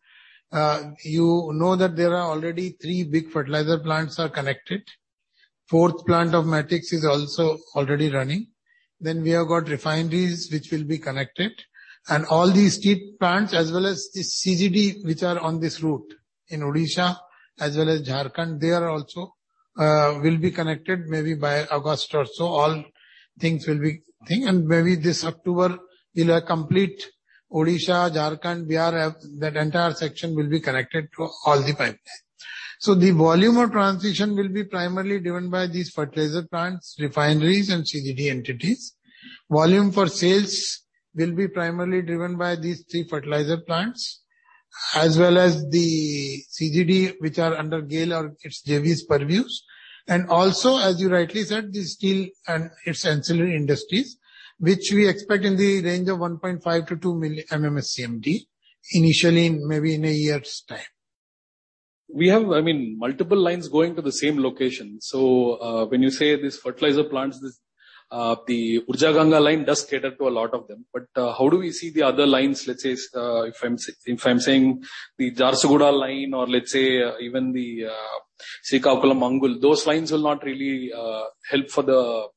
you know that there are already three big fertilizer plants are connected. Fourth plant of Matix is also already running. We have got refineries which will be connected. All these steel plants as well as the CGD which are on this route in Odisha as well as Jharkhand, they are also will be connected maybe by August or so. Maybe this October we'll have complete Odisha, Jharkhand, Bihar, that entire section will be connected to all the pipelines. The volume of transmission will be primarily driven by these fertilizer plants, refineries, and CGD entities. Volume for sales will be primarily driven by these three fertilizer plants, as well as the CGD which are under GAIL or its JV's purviews. Also, as you rightly said, the steel and its ancillary industries, which we expect in the range of 1.5-2 MMSCMD, initially maybe in a year's time. We have, I mean, multiple lines going to the same location. When you say these fertilizer plants, this, the Urja Ganga line does cater to a lot of them. How do we see the other lines, let's say, if I'm saying the Jharsuguda line or let's say, even the Srikakulam-Angul, those lines will not really help for the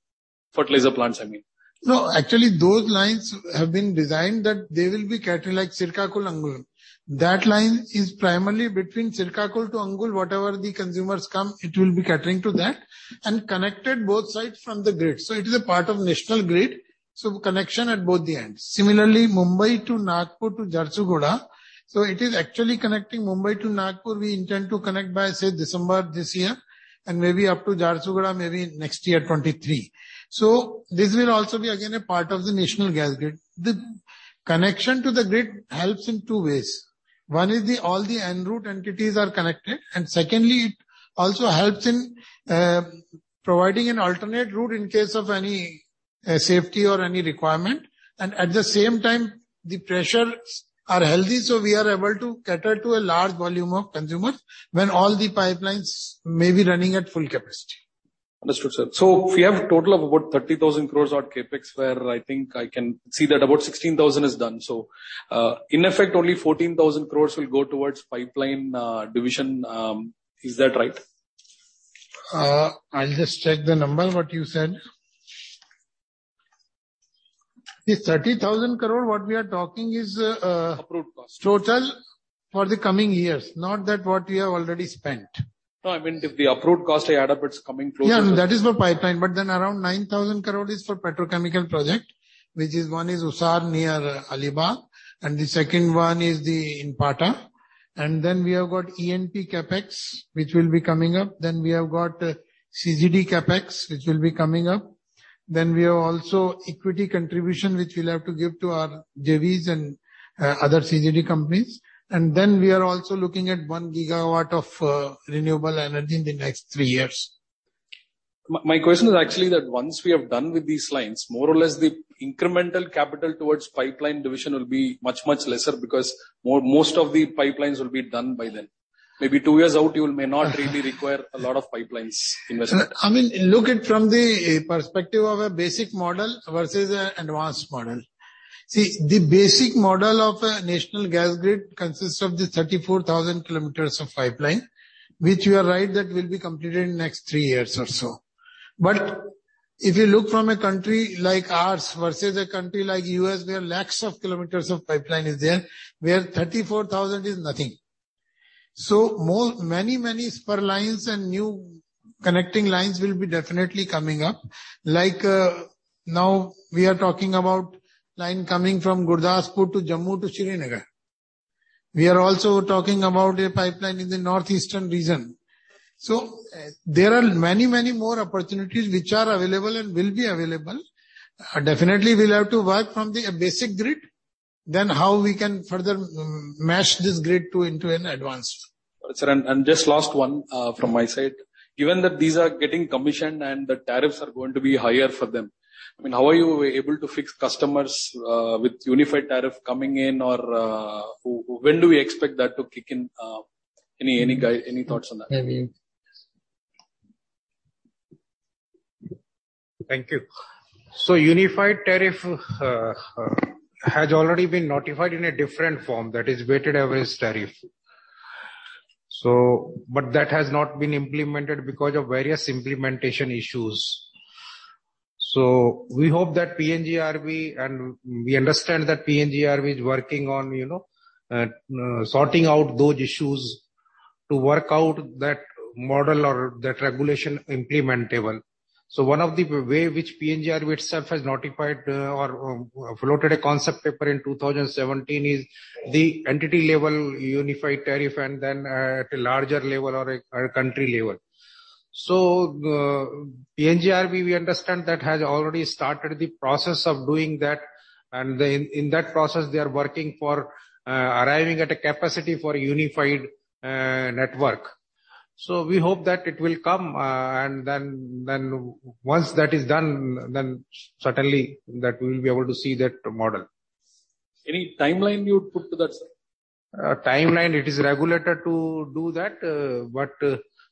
fertilizer plants, I mean. No, actually, those lines have been designed that they will be catering, like Srikakulam-Angul. That line is primarily between Srikakulam to Angul. Whatever the consumers come, it will be catering to that. It is connected both sides from the grid. It is a part of national gas grid. Connection at both the ends. Similarly, Mumbai to Nagpur to Jharsuguda. It is actually connecting Mumbai to Nagpur. We intend to connect by, say, December this year, and maybe up to Jharsuguda maybe next year, 2023. This will also be again a part of the national gas grid. The connection to the grid helps in two ways. One is all the en route entities are connected, and secondly, it also helps in providing an alternate route in case of any safety or any requirement. At the same time, the pressures are healthy, so we are able to cater to a large volume of consumers when all the pipelines may be running at full capacity. Understood, sir. We have a total of about 30,000 crore odd CapEx, where I think I can see that about 16,000 crore is done. In effect, only 14,000 crore will go towards pipeline division. Is that right? I'll just check the number what you said. The 30,000 crore what we are talking is, Approved cost Total for the coming years, not that what we have already spent. No, I meant if the approved cost I add up, it's coming close to that. Yeah, that is for pipeline, but around 9,000 crore is for petrochemical project, which is one is Usar near Alibag, and the second one is the one in Pata. We have got E&P CapEx, which will be coming up. We have got CGD CapEx, which will be coming up. We have also equity contribution, which we'll have to give to our JVs and other CGD companies. We are also looking at 1 gigawatt of renewable energy in the next 3 years. My question is actually that once we have done with these lines, more or less the incremental capital towards pipeline division will be much lesser because most of the pipelines will be done by then. Maybe two years out, you may not really require a lot of pipelines investment. I mean, look at it from the perspective of a basic model versus an advanced model. See, the basic model of a national gas grid consists of the 34,000 kilometers of pipeline, which you are right, that will be completed in the next three years or so. If you look from a country like ours versus a country like the U.S., where lakhs of kilometers of pipeline is there, where 34,000 is nothing. Many, many spare lines and new connecting lines will be definitely coming up. Like, now we are talking about line coming from Gurdaspur to Jammu to Srinagar. We are also talking about a pipeline in the northeastern region. There are many, many more opportunities which are available and will be available. Definitely we'll have to work from the basic grid, then how we can further mesh this grid into an advanced. Got it, sir. Just last one from my side. Given that these are getting commissioned and the tariffs are going to be higher for them, I mean, how are you able to fix customers with unified tariff coming in or when do we expect that to kick in? Any thoughts on that? Maybe. Thank you. Unified tariff has already been notified in a different form, that is weighted average tariff. But that has not been implemented because of various implementation issues. We hope that PNGRB and we understand that PNGRB is working on, you know, sorting out those issues to work out that model or that regulation implementable. One of the way which PNGRB itself has notified, or floated a concept paper in 2017 is the entity level unified tariff and then at a larger level or a country level. PNGRB, we understand that has already started the process of doing that. Then in that process they are working for arriving at a capacity for unified network. We hope that it will come, and then once that is done, then certainly that we will be able to see that model. Any timeline you would put to that, sir? Timeline, it's the regulator to do that, but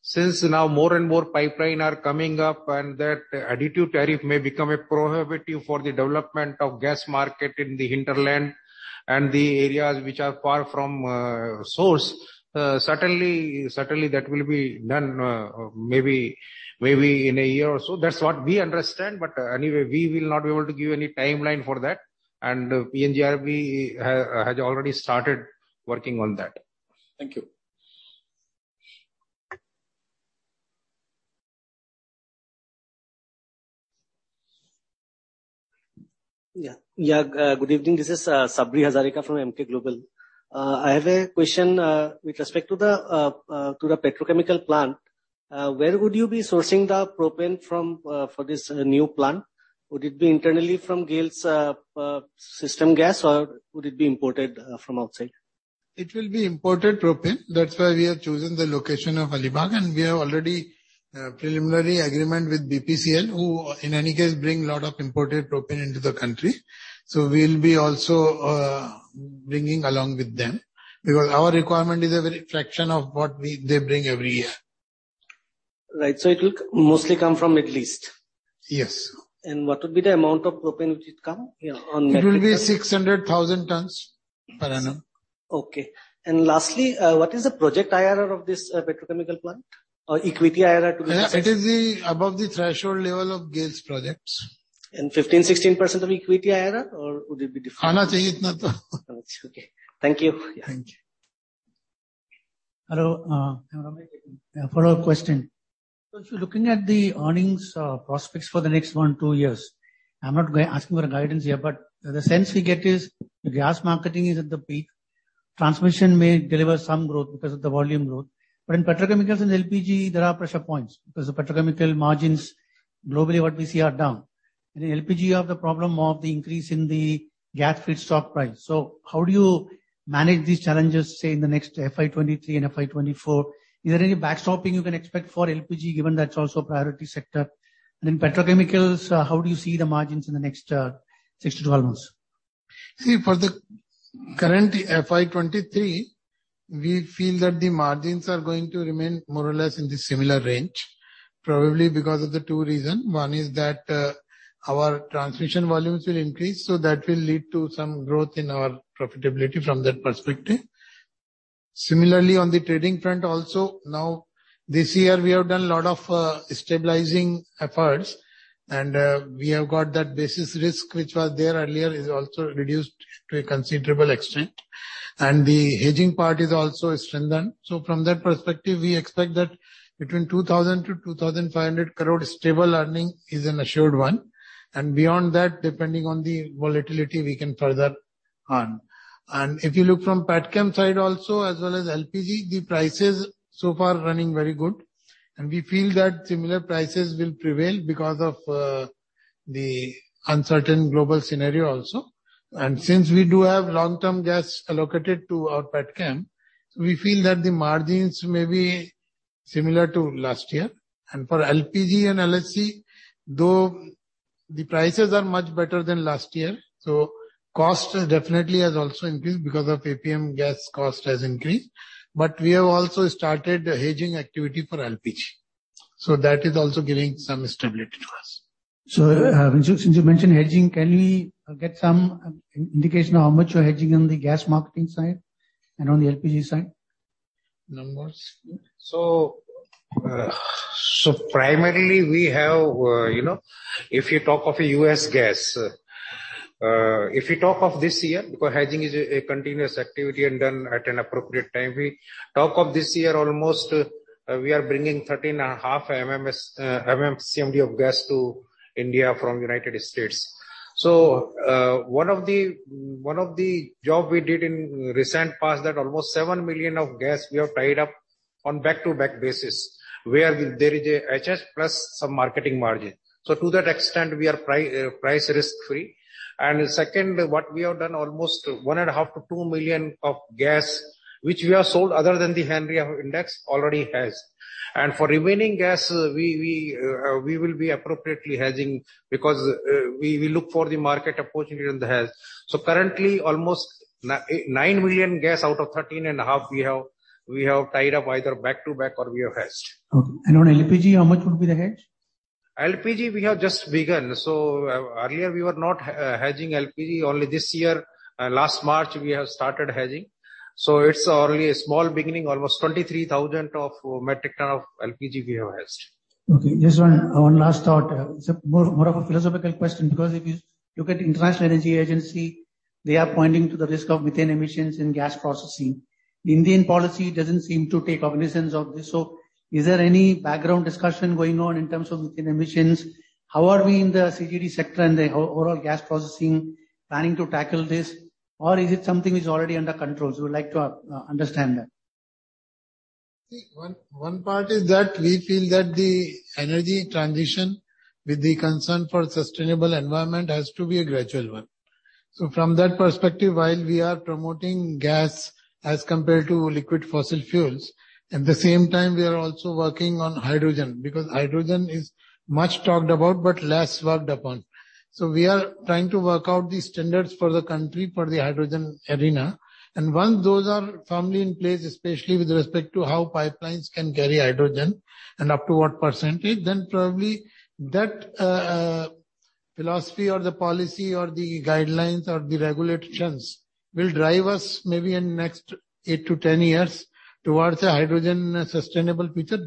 since now more and more pipelines are coming up and that additive tariff may become prohibitive for the development of gas market in the hinterland and the areas which are far from source, certainly that will be done, maybe in a year or so. That's what we understand, but anyway, we will not be able to give any timeline for that. PNGRB has already started working on that. Thank you. Yeah. Good evening. This is Sabri Hazarika from Emkay Global. I have a question with respect to the petrochemical plant. Where would you be sourcing the propane from for this new plant? Would it be internally from GAIL's system gas, or would it be imported from outside? It will be imported propane. That's why we have chosen the location of Alibag, and we have already a preliminary agreement with BPCL, who in any case bring a lot of imported propane into the country. We'll be also bringing along with them, because our requirement is a very fraction of what they bring every year. Right. It will mostly come from Middle East? Yes. What would be the amount of propane which it come here on that? It will be 600,000 tons per annum. Okay. Lastly, what is the project IRR of this petrochemical plant? Or equity IRR to- It is above the threshold level of GAIL's projects. 15%-16% of equity IRR or would it be different? Okay. Thank you. Yeah. Thank you. Hello, I'm S. Ramesh. I have a follow-up question. If you're looking at the earnings prospects for the next one-two years, I'm not asking for guidance here, but the sense we get is gas marketing is at the peak. Transmission may deliver some growth because of the volume growth. In petrochemicals and LPG, there are pressure points because the petrochemical margins globally, what we see, are down. In LPG you have the problem of the increase in the gas feedstock price. How do you manage these challenges, say, in the next FY 2023 and FY 2024? Is there any backstopping you can expect for LPG, given that's also a priority sector? In petrochemicals, how do you see the margins in the next six-12 months? See, for the current FY 2023, we feel that the margins are going to remain more or less in the similar range, probably because of the two reasons. One is that, our transmission volumes will increase, so that will lead to some growth in our profitability from that perspective. Similarly, on the trading front also, now this year we have done a lot of stabilizing efforts, and we have got that basis risk which was there earlier is also reduced to a considerable extent, and the hedging part is also strengthened. So from that perspective, we expect that between 2,000 crore-2,500 crores stable earning is an assured one, and beyond that, depending on the volatility we can further earn. If you look from petchem side also, as well as LPG, the prices so far are running very good. We feel that similar prices will prevail because of the uncertain global scenario also. Since we do have long-term gas allocated to our petchem, we feel that the margins may be similar to last year. For LPG and LHC, though the prices are much better than last year, so cost definitely has also increased because of APM gas cost has increased. We have also started a hedging activity for LPG, so that is also giving some stability to us. Since you mentioned hedging, can we get some indication of how much you're hedging on the gas marketing side and on the LPG side? Numbers. Primarily we have, you know, if you talk of U.S. gas, if you talk of this year, because hedging is a continuous activity and done at an appropriate time. We talk of this year, almost, we are bringing 13.5 MMSCMD of gas to India from United States. One of the jobs we did in recent past that almost 7 million of gas we have tied up on back-to-back basis, where there is a HS plus some marketing margin. To that extent, we are price risk-free. Second, what we have done almost 1.5 million-2 million of gas, which we have sold other than the Henry Hub index already hedged. For remaining gas, we will be appropriately hedging because we look for the market opportunity in the hedge. Currently, almost eight million-nine million gas out of 13.5 we have tied up either back to back or we have hedged. Okay. On LPG, how much would be the hedge? LPG, we have just begun. Earlier we were not hedging LPG. Only this year, last March, we have started hedging. It's only a small beginning, almost 23,000 metric tons of LPG we have hedged. Okay, just one last thought. It's more of a philosophical question, because if you look at the International Energy Agency, they are pointing to the risk of methane emissions in gas processing. The Indian policy doesn't seem to take cognizance of this. Is there any background discussion going on in terms of methane emissions? How are we in the CGD sector and the overall gas processing planning to tackle this? Or is it something which is already under control? We'd like to understand that. See, one part is that we feel that the energy transition with the concern for sustainable environment has to be a gradual one. From that perspective, while we are promoting gas as compared to liquid fossil fuels, at the same time, we are also working on hydrogen, because hydrogen is much talked about, but less worked upon. We are trying to work out the standards for the country for the hydrogen arena. Once those are firmly in place, especially with respect to how pipelines can carry hydrogen and up to what percentage, then probably that philosophy or the policy or the guidelines or the regulations will drive us maybe in next 8-10 years towards a hydrogen sustainable future.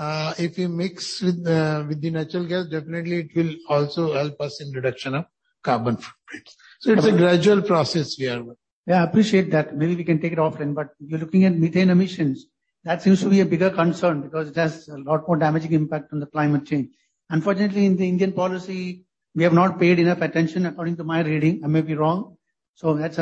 If you mix with the natural gas, definitely it will also help us in reduction of carbon footprints. It's a gradual process we are working. Yeah, I appreciate that. Maybe we can take it offline. You're looking at methane emissions. That seems to be a bigger concern because it has a lot more damaging impact on the climate change. Unfortunately, in the Indian policy, we have not paid enough attention according to my reading. I may be wrong. That's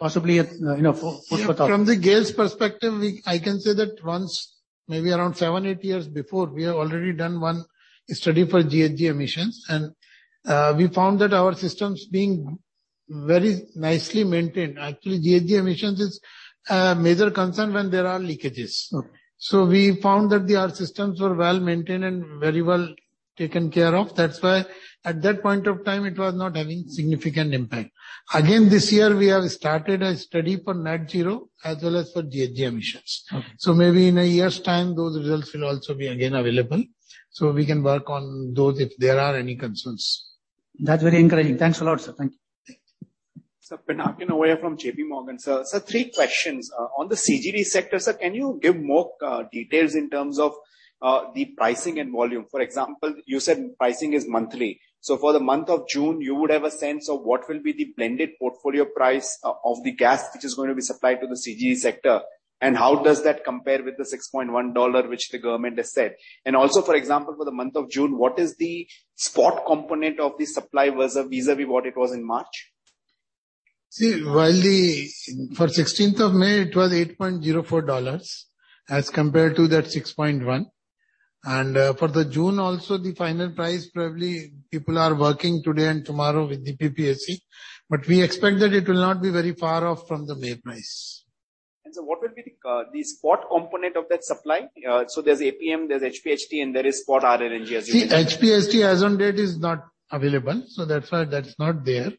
possibly a, you know, food for thought. From the gas perspective, I can say that once, maybe around seven, eight years before, we have already done one study for GHG emissions, and we found that our systems being very nicely maintained. Actually, GHG emissions is a major concern when there are leakages. Okay. We found that our systems were well maintained and very well taken care of. That's why at that point of time, it was not having significant impact. Again, this year, we have started a study for net zero as well as for GHG emissions. Okay. Maybe in a year's time, those results will also be again available, so we can work on those if there are any concerns. That's very encouraging. Thanks a lot, sir. Thank you. Thank you. Sir, Pinakin Parekh from JPMorgan. Sir, three questions. On the CGD sector, sir, can you give more details in terms of the pricing and volume? For example, you said pricing is monthly. For the month of June, you would have a sense of what will be the blended portfolio price of the gas which is going to be supplied to the CGD sector. How does that compare with the $6.1 which the government has said? For example, for the month of June, what is the spot component of the supply vis-à-vis what it was in March? See, for 16th of May it was $8.04 as compared to that $6.1. For June also, the final price, probably people are working today and tomorrow with the PPAC, but we expect that it will not be very far off from the May price. What will be the spot component of that supply? There's APM, there's HPHD and there is spot RLNG as you mentioned. See, HPHD as on date is not available, so therefore that's not there.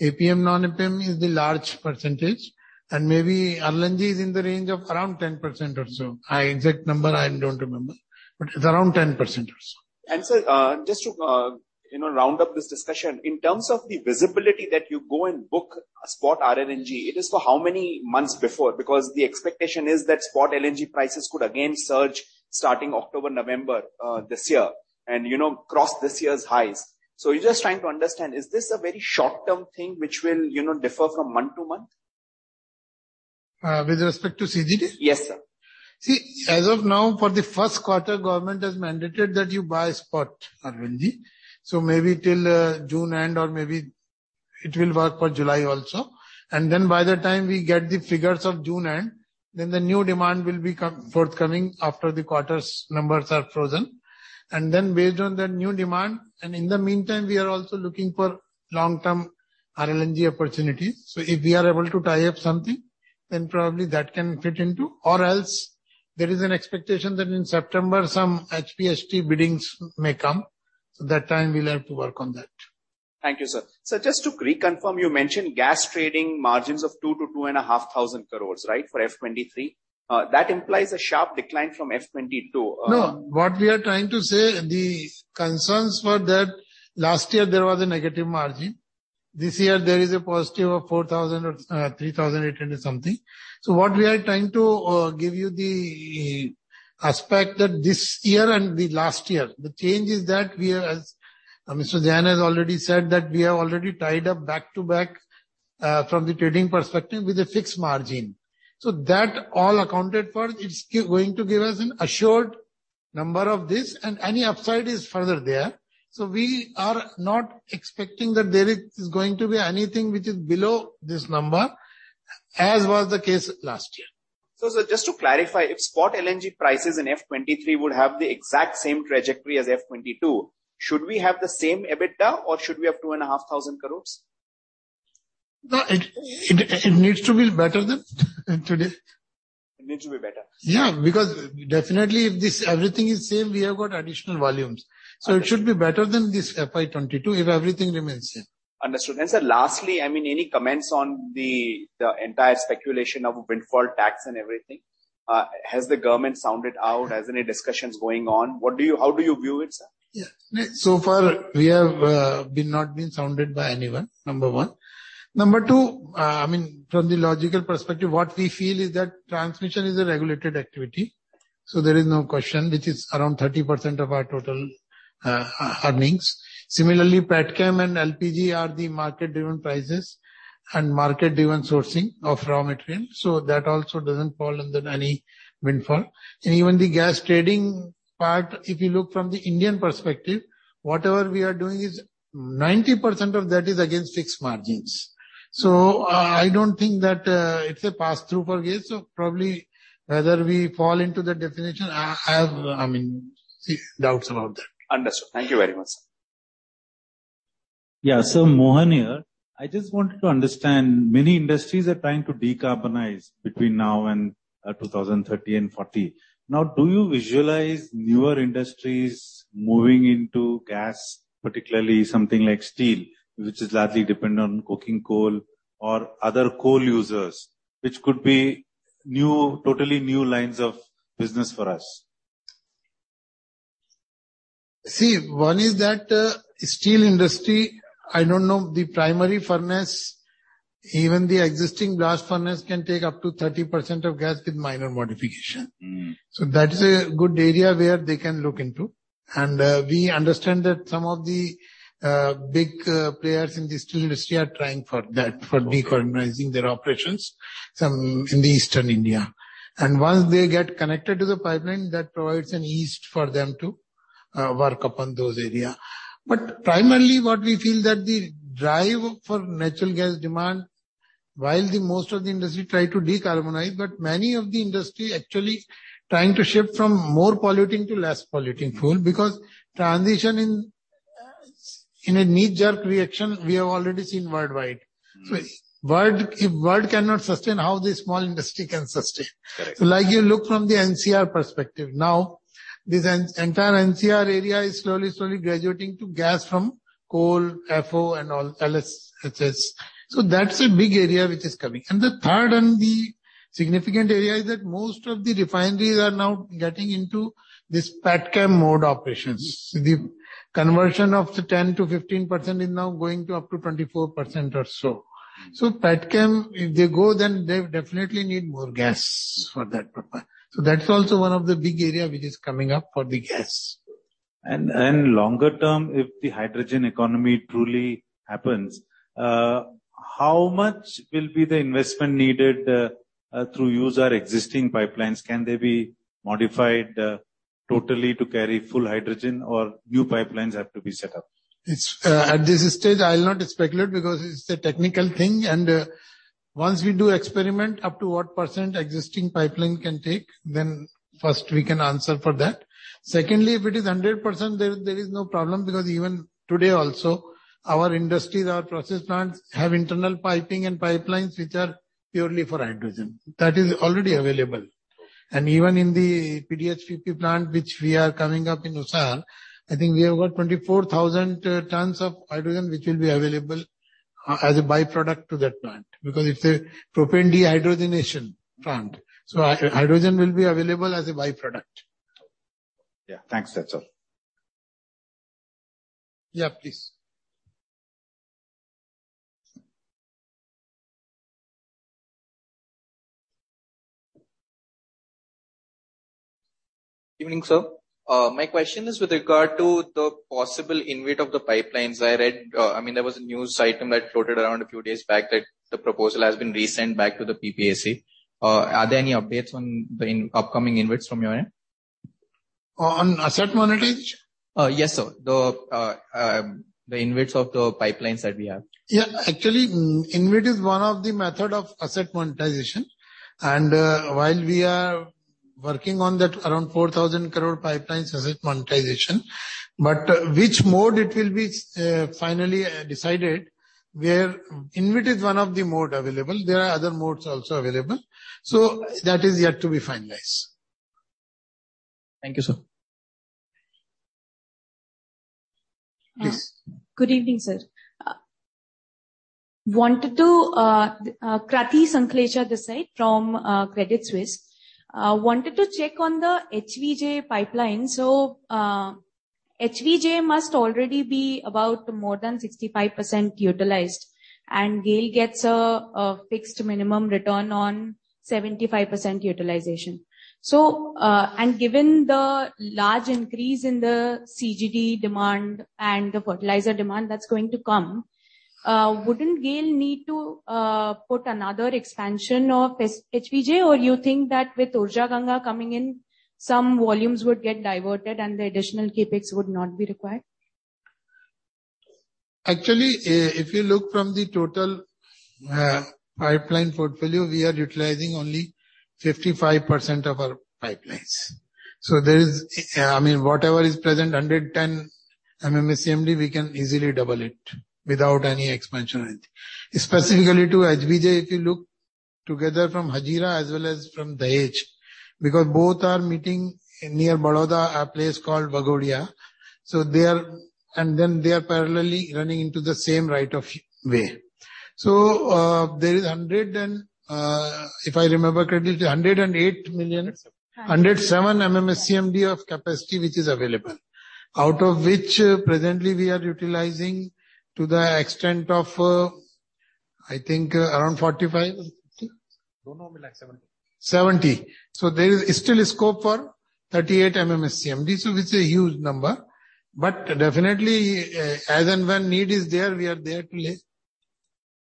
APM, non-APM is the large percentage and maybe RLNG is in the range of around 10% or so. Exact number I don't remember, but it's around 10% or so. Sir, just to, you know, round up this discussion, in terms of the visibility that you go and book a spot RLNG, it is for how many months before? Because the expectation is that spot LNG prices could again surge starting October, November, this year and, you know, cross this year's highs. We're just trying to understand, is this a very short-term thing which will, you know, differ from month to month? With respect to CGD? Yes, sir. See, as of now, for the first quarter government has mandated that you buy spot RLNG. Maybe till June end or maybe it will work for July also. By the time we get the figures of June end, the new demand will become forthcoming after the quarter's numbers are frozen. Based on that new demand, in the meantime we are also looking for long-term RLNG opportunities. If we are able to tie up something, then probably that can fit into. Else there is an expectation that in September some HPHD biddings may come. That time we'll have to work on that. Thank you, sir. Sir, just to reconfirm, you mentioned gas trading margins of 2,000 crore-2,500 crore, right, for FY 2023? That implies a sharp decline from FY 2022. No. What we are trying to say, the concerns for that, last year there was a negative margin. This year there is a positive of 4,000 crore or 3,800 crore something. What we are trying to give you the aspect that this year and the last year, the change is that we are, as Mr. Jain has already said, that we have already tied up back-to-back from the trading perspective with a fixed margin. That all accounted for, it's going to give us an assured number of this and any upside is further there. We are not expecting that there is going to be anything which is below this number, as was the case last year. Sir, just to clarify, if spot LNG prices in FY 2023 would have the exact same trajectory as FY 2022, should we have the same EBITDA or should we have 2,500 crores? No, it needs to be better than today. It needs to be better. Yeah. Because definitely if this everything is same, we have got additional volumes. Okay. It should be better than this FY 2022 if everything remains same. Understood. Sir, lastly, I mean, any comments on the entire speculation of windfall tax and everything? Has the government sounded out? Has any discussions going on? How do you view it, sir? Yes. So far we have not been summoned by anyone, number one. Number two, I mean, from the logical perspective, what we feel is that transmission is a regulated activity, so there is no question, which is around 30% of our total earnings. Similarly, Petchem and LPG are the market-driven prices and market-driven sourcing of raw material, so that also doesn't fall under any windfall. Even the gas trading part, if you look from the Indian perspective, whatever we are doing is 90% of that is against fixed margins. I don't think that it's a passthrough for gas, so probably whether we fall into the definition, I have doubts about that. Understood. Thank you very much, sir. Yeah. Mohan here. I just wanted to understand, many industries are trying to decarbonize between now and 2030 and 2040. Now, do you visualize newer industries moving into gas, particularly something like steel, which is largely dependent on coking coal or other coal users, which could be new, totally new lines of business for us? See, one is that, steel industry, I don't know the primary furnace, even the existing blast furnace can take up to 30% of gas with minor modification. Mm. That is a good area where they can look into. We understand that some of the big players in the steel industry are trying for that. Okay. For decarbonizing their operations, some in the eastern India. Once they get connected to the pipeline, that provides an ease for them to work upon those area. Primarily what we feel that the drive for natural gas demand, while the most of the industry try to decarbonize, but many of the industry actually trying to shift from more polluting to less polluting fuel, because transition in a knee-jerk reaction, we have already seen worldwide. Mm. World, if world cannot sustain, how the small industry can sustain? Correct. Like you look from the NCR perspective, now this entire NCR area is slowly graduating to gas from coal, FO and all LSHS. That's a big area which is coming. The third and the significant area is that most of the refineries are now getting into this Petchem mode operations. The conversion of the 10%-15% is now going to up to 24% or so. Mm-hmm. Petchem, if they go then they definitely need more gas for that purpose. That's also one of the big area which is coming up for the gas. Longer term, if the hydrogen economy truly happens, how much will be the investment needed through using our existing pipelines? Can they be modified totally to carry full hydrogen or new pipelines have to be set up? It's at this stage, I will not speculate because it's a technical thing. Once we do experiment up to what percent existing pipeline can take, then first we can answer for that. Secondly, if it is 100%, there is no problem because even today also our industries, our process plants have internal piping and pipelines which are purely for hydrogen. That is already available. Even in the PDH-PP plant which we are coming up in Usar, I think we have got 24,000 tons of hydrogen which will be available as a by-product to that plant, because it's a propane dehydrogenation plant, so hydrogen will be available as a by-product. Yeah. Thanks. That's all. Yeah, please. Evening, sir. My question is with regard to the possible InvIT of the pipelines. I read, I mean, there was a news item that floated around a few days back that the proposal has been resent back to the PPAC. Are there any updates on the upcoming InvITs from your end? On asset monetization? Yes, sir. The InvITs of the pipelines that we have. Actually, InvIT is one of the method of asset monetization. While we are working on that around 4,000 crore pipelines asset monetization, which mode it will be finally decided whether InvIT is one of the mode available. There are other modes also available. That is yet to be finalized. Thank you, sir. Yes. Good evening, sir. Krati Sanklecha Desai from Credit Suisse. Wanted to check on the HVJ pipeline. HVJ must already be about more than 65% utilized, and GAIL gets a fixed minimum return on 75% utilization. Given the large increase in the CGD demand and the fertilizer demand that's going to come, wouldn't GAIL need to put another expansion of this HVJ? Or you think that with Urja Ganga coming in, some volumes would get diverted and the additional CapEx would not be required? Actually, if you look from the total pipeline portfolio, we are utilizing only 55% of our pipelines. There is, I mean, whatever is present, 110 MMSCMD, we can easily double it without any expansion or anything. Specifically to HVJ, if you look together from Hajira as well as from Dahej, because both are meeting near Vadodara, a place called Vaghodia, so they are parallelly running into the same right of way. There is, if I remember correctly, 108 million. 107 107 MMSCMD of capacity which is available. Out of which presently we are utilizing to the extent of, I think, around 45. Don't know, maybe like 70. 70. There is still scope for 38 MMSCMD, so it's a huge number. Definitely, as and when need is there, we are there to lay.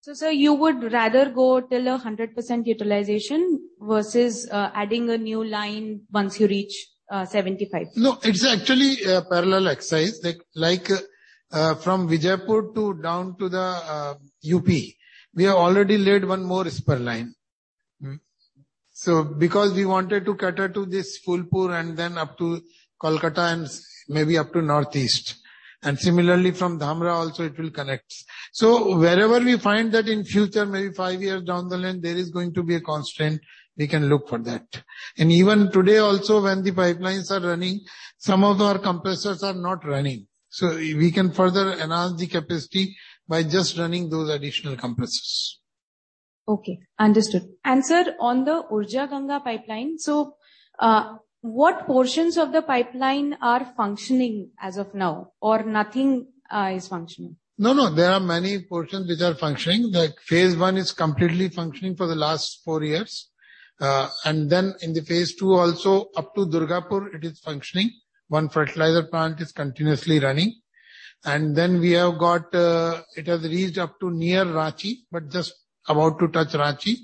Sir, you would rather go till 100% utilization versus adding a new line once you reach 75%? No, it's actually a parallel exercise. Like, from Vijaypur to down to the UP, we have already laid one more spare line. Because we wanted to cater to this Phulpur and then up to Kolkata and maybe up to northeast. Similarly from Dhamra also it will connect. Wherever we find that in future, maybe five years down the line, there is going to be a constraint, we can look for that. Even today also, when the pipelines are running, some of our compressors are not running. We can further enhance the capacity by just running those additional compressors. Okay. Understood. Sir, on the Urja Ganga pipeline, so, what portions of the pipeline are functioning as of now, or nothing is functioning? No, no, there are many portions which are functioning. Like phase one is completely functioning for the last four years. In the phase two also, up to Durgapur, it is functioning. One fertilizer plant is continuously running. We have got, it has reached up to near Ranchi, but just about to touch Ranchi.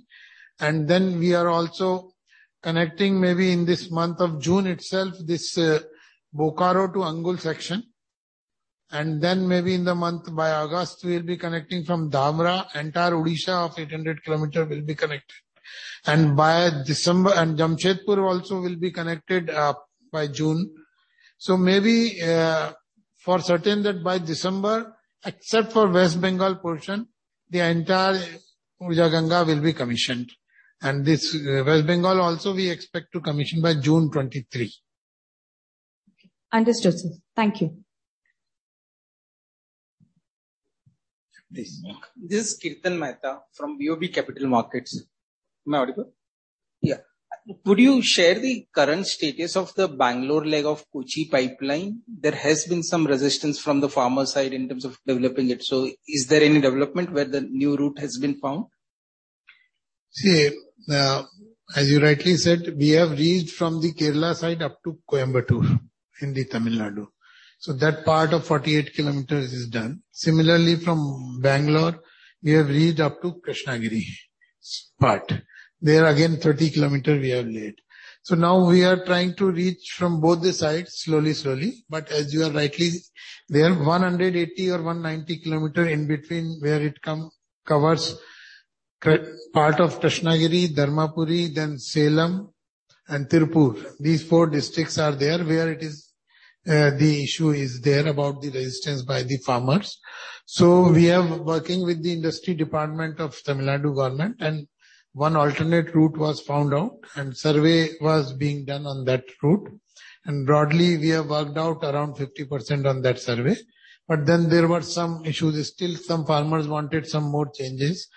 We are also connecting maybe in this month of June itself, Bokaro to Angul section. Maybe in the month by August, we'll be connecting from Dhamra. Entire Odisha of 800 kilometers will be connected. By December, Jamshedpur also will be connected by June. Maybe, for certain that by December, except for West Bengal portion, the entire Urja Ganga will be commissioned. This West Bengal also we expect to commission by June 2023. Understood, sir. Thank you. Please. Okay. This is Kirtan Mehta from BOB Capital Markets. Am I audible? Yeah. Could you share the current status of the Bangalore leg of Kochi pipeline? There has been some resistance from the farmer side in terms of developing it. Is there any development where the new route has been found? See, as you rightly said, we have reached from the Kerala side up to Coimbatore in the Tamil Nadu. That part of 48 kilometers is done. Similarly, from Bangalore, we have reached up to Krishnagiri part. There again, 30 kilometers we are late. Now we are trying to reach from both the sides slowly. As you are rightly, there 180 or 190 kilometers in between where it comes, covers part of Krishnagiri, Dharmapuri, then Salem and Tiruppur. These four districts are there where it is, the issue is there about the resistance by the farmers. We are working with the industry department of Tamil Nadu government, and one alternate route was found out and survey was being done on that route. Broadly, we have worked out around 50 percent on that survey. Then there were some issues, still some farmers wanted some more changes.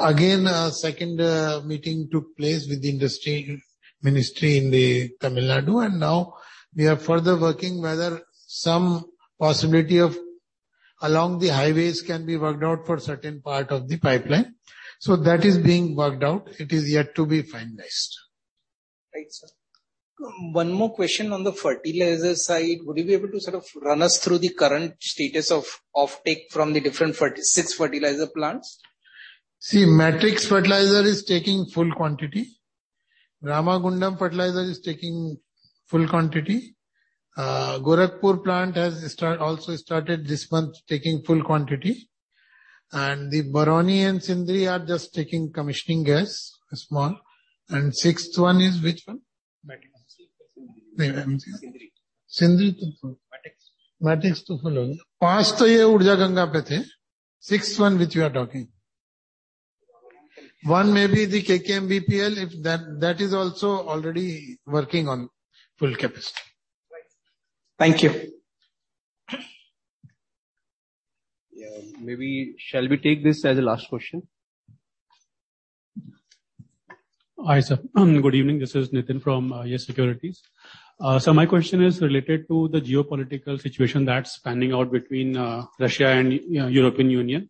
Again, a second meeting took place with the industry ministry in Tamil Nadu, and now we are further working whether some possibility of along the highways can be worked out for certain part of the pipeline. That is being worked out. It is yet to be finalized. Right, sir. One more question on the fertilizer side. Would you be able to sort of run us through the current status of offtake from the different six fertilizer plants? See, Matix Fertilizers is taking full quantity. Ramagundam Fertilizers is taking full quantity. Gorakhpur plant has also started this month taking full quantity. Barauni and Sindri are just taking commissioning gas, a small. Sixth one is which one? Matrix. No, I mean. Sindri. Sindri to full. Matrix. Matix to full. Right. Fifth one was on Urja Ganga. Sixth one, which you are talking? One may be the KKBMPL, if that is also already working on full capacity. Right. Thank you. Yeah. Maybe shall we take this as the last question? Hi, sir. Good evening. This is Nitin from YES Securities. My question is related to the geopolitical situation that's panning out between Russia and, you know, European Union.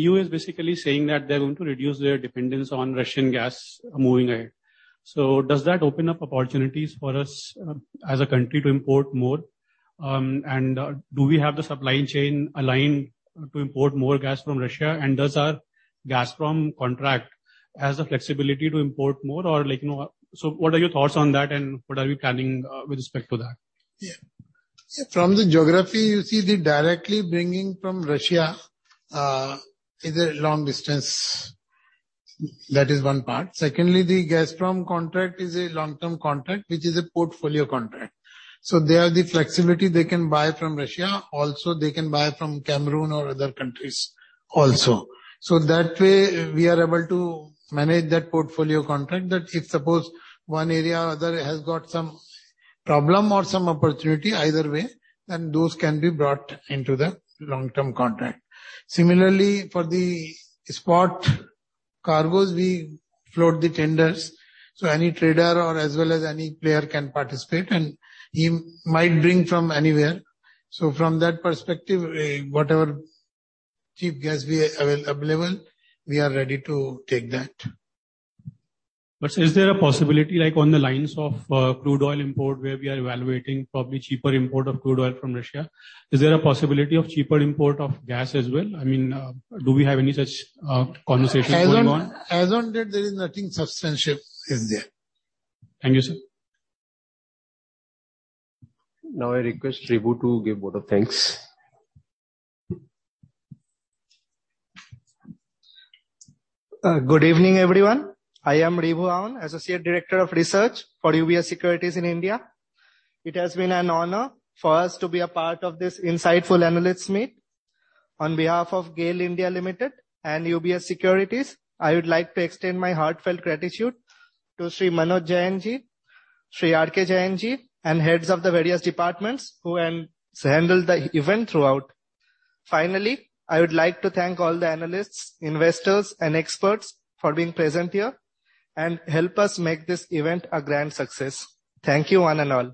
EU is basically saying that they're going to reduce their dependence on Russian gas moving ahead. Does that open up opportunities for us as a country to import more? And do we have the supply chain aligned to import more gas from Russia? Does our Gazprom contract has the flexibility to import more or like, you know. What are your thoughts on that, and what are we planning with respect to that? From the geography, you see the direct bringing from Russia is a long distance. That is one part. Secondly, the Gazprom contract is a long-term contract, which is a portfolio contract. They have the flexibility they can buy from Russia, also they can buy from Cameroon or other countries also. That way we are able to manage that portfolio contract that if suppose one area or other has got some problem or some opportunity either way, then those can be brought into the long-term contract. Similarly, for the spot cargos, we float the tenders, so any trader or as well as any player can participate, and he might bring from anywhere. From that perspective, whatever cheap gas is available, we are ready to take that. Is there a possibility, like on the lines of crude oil import, where we are evaluating probably cheaper import of crude oil from Russia, is there a possibility of cheaper import of gas as well? I mean, do we have any such conversations going on? As on date, there is nothing substantive, is there. Thank you, sir. Now I request Ribu Awan to give vote of thanks. Good evening, everyone. I am Ribu Awan, Associate Director of Research for UBS Securities India. It has been an honor for us to be a part of this insightful analysts meet. On behalf of GAIL (India) Limited and UBS Securities, I would like to extend my heartfelt gratitude to Shri Manoj Jainji, Shri RK Jainji, and heads of the various departments who handled the event throughout. Finally, I would like to thank all the analysts, investors and experts for being present here and help us make this event a grand success. Thank you one and all.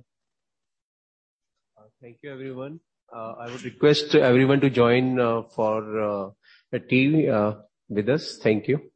Thank you, everyone. I would request everyone to join for a tea with us. Thank you.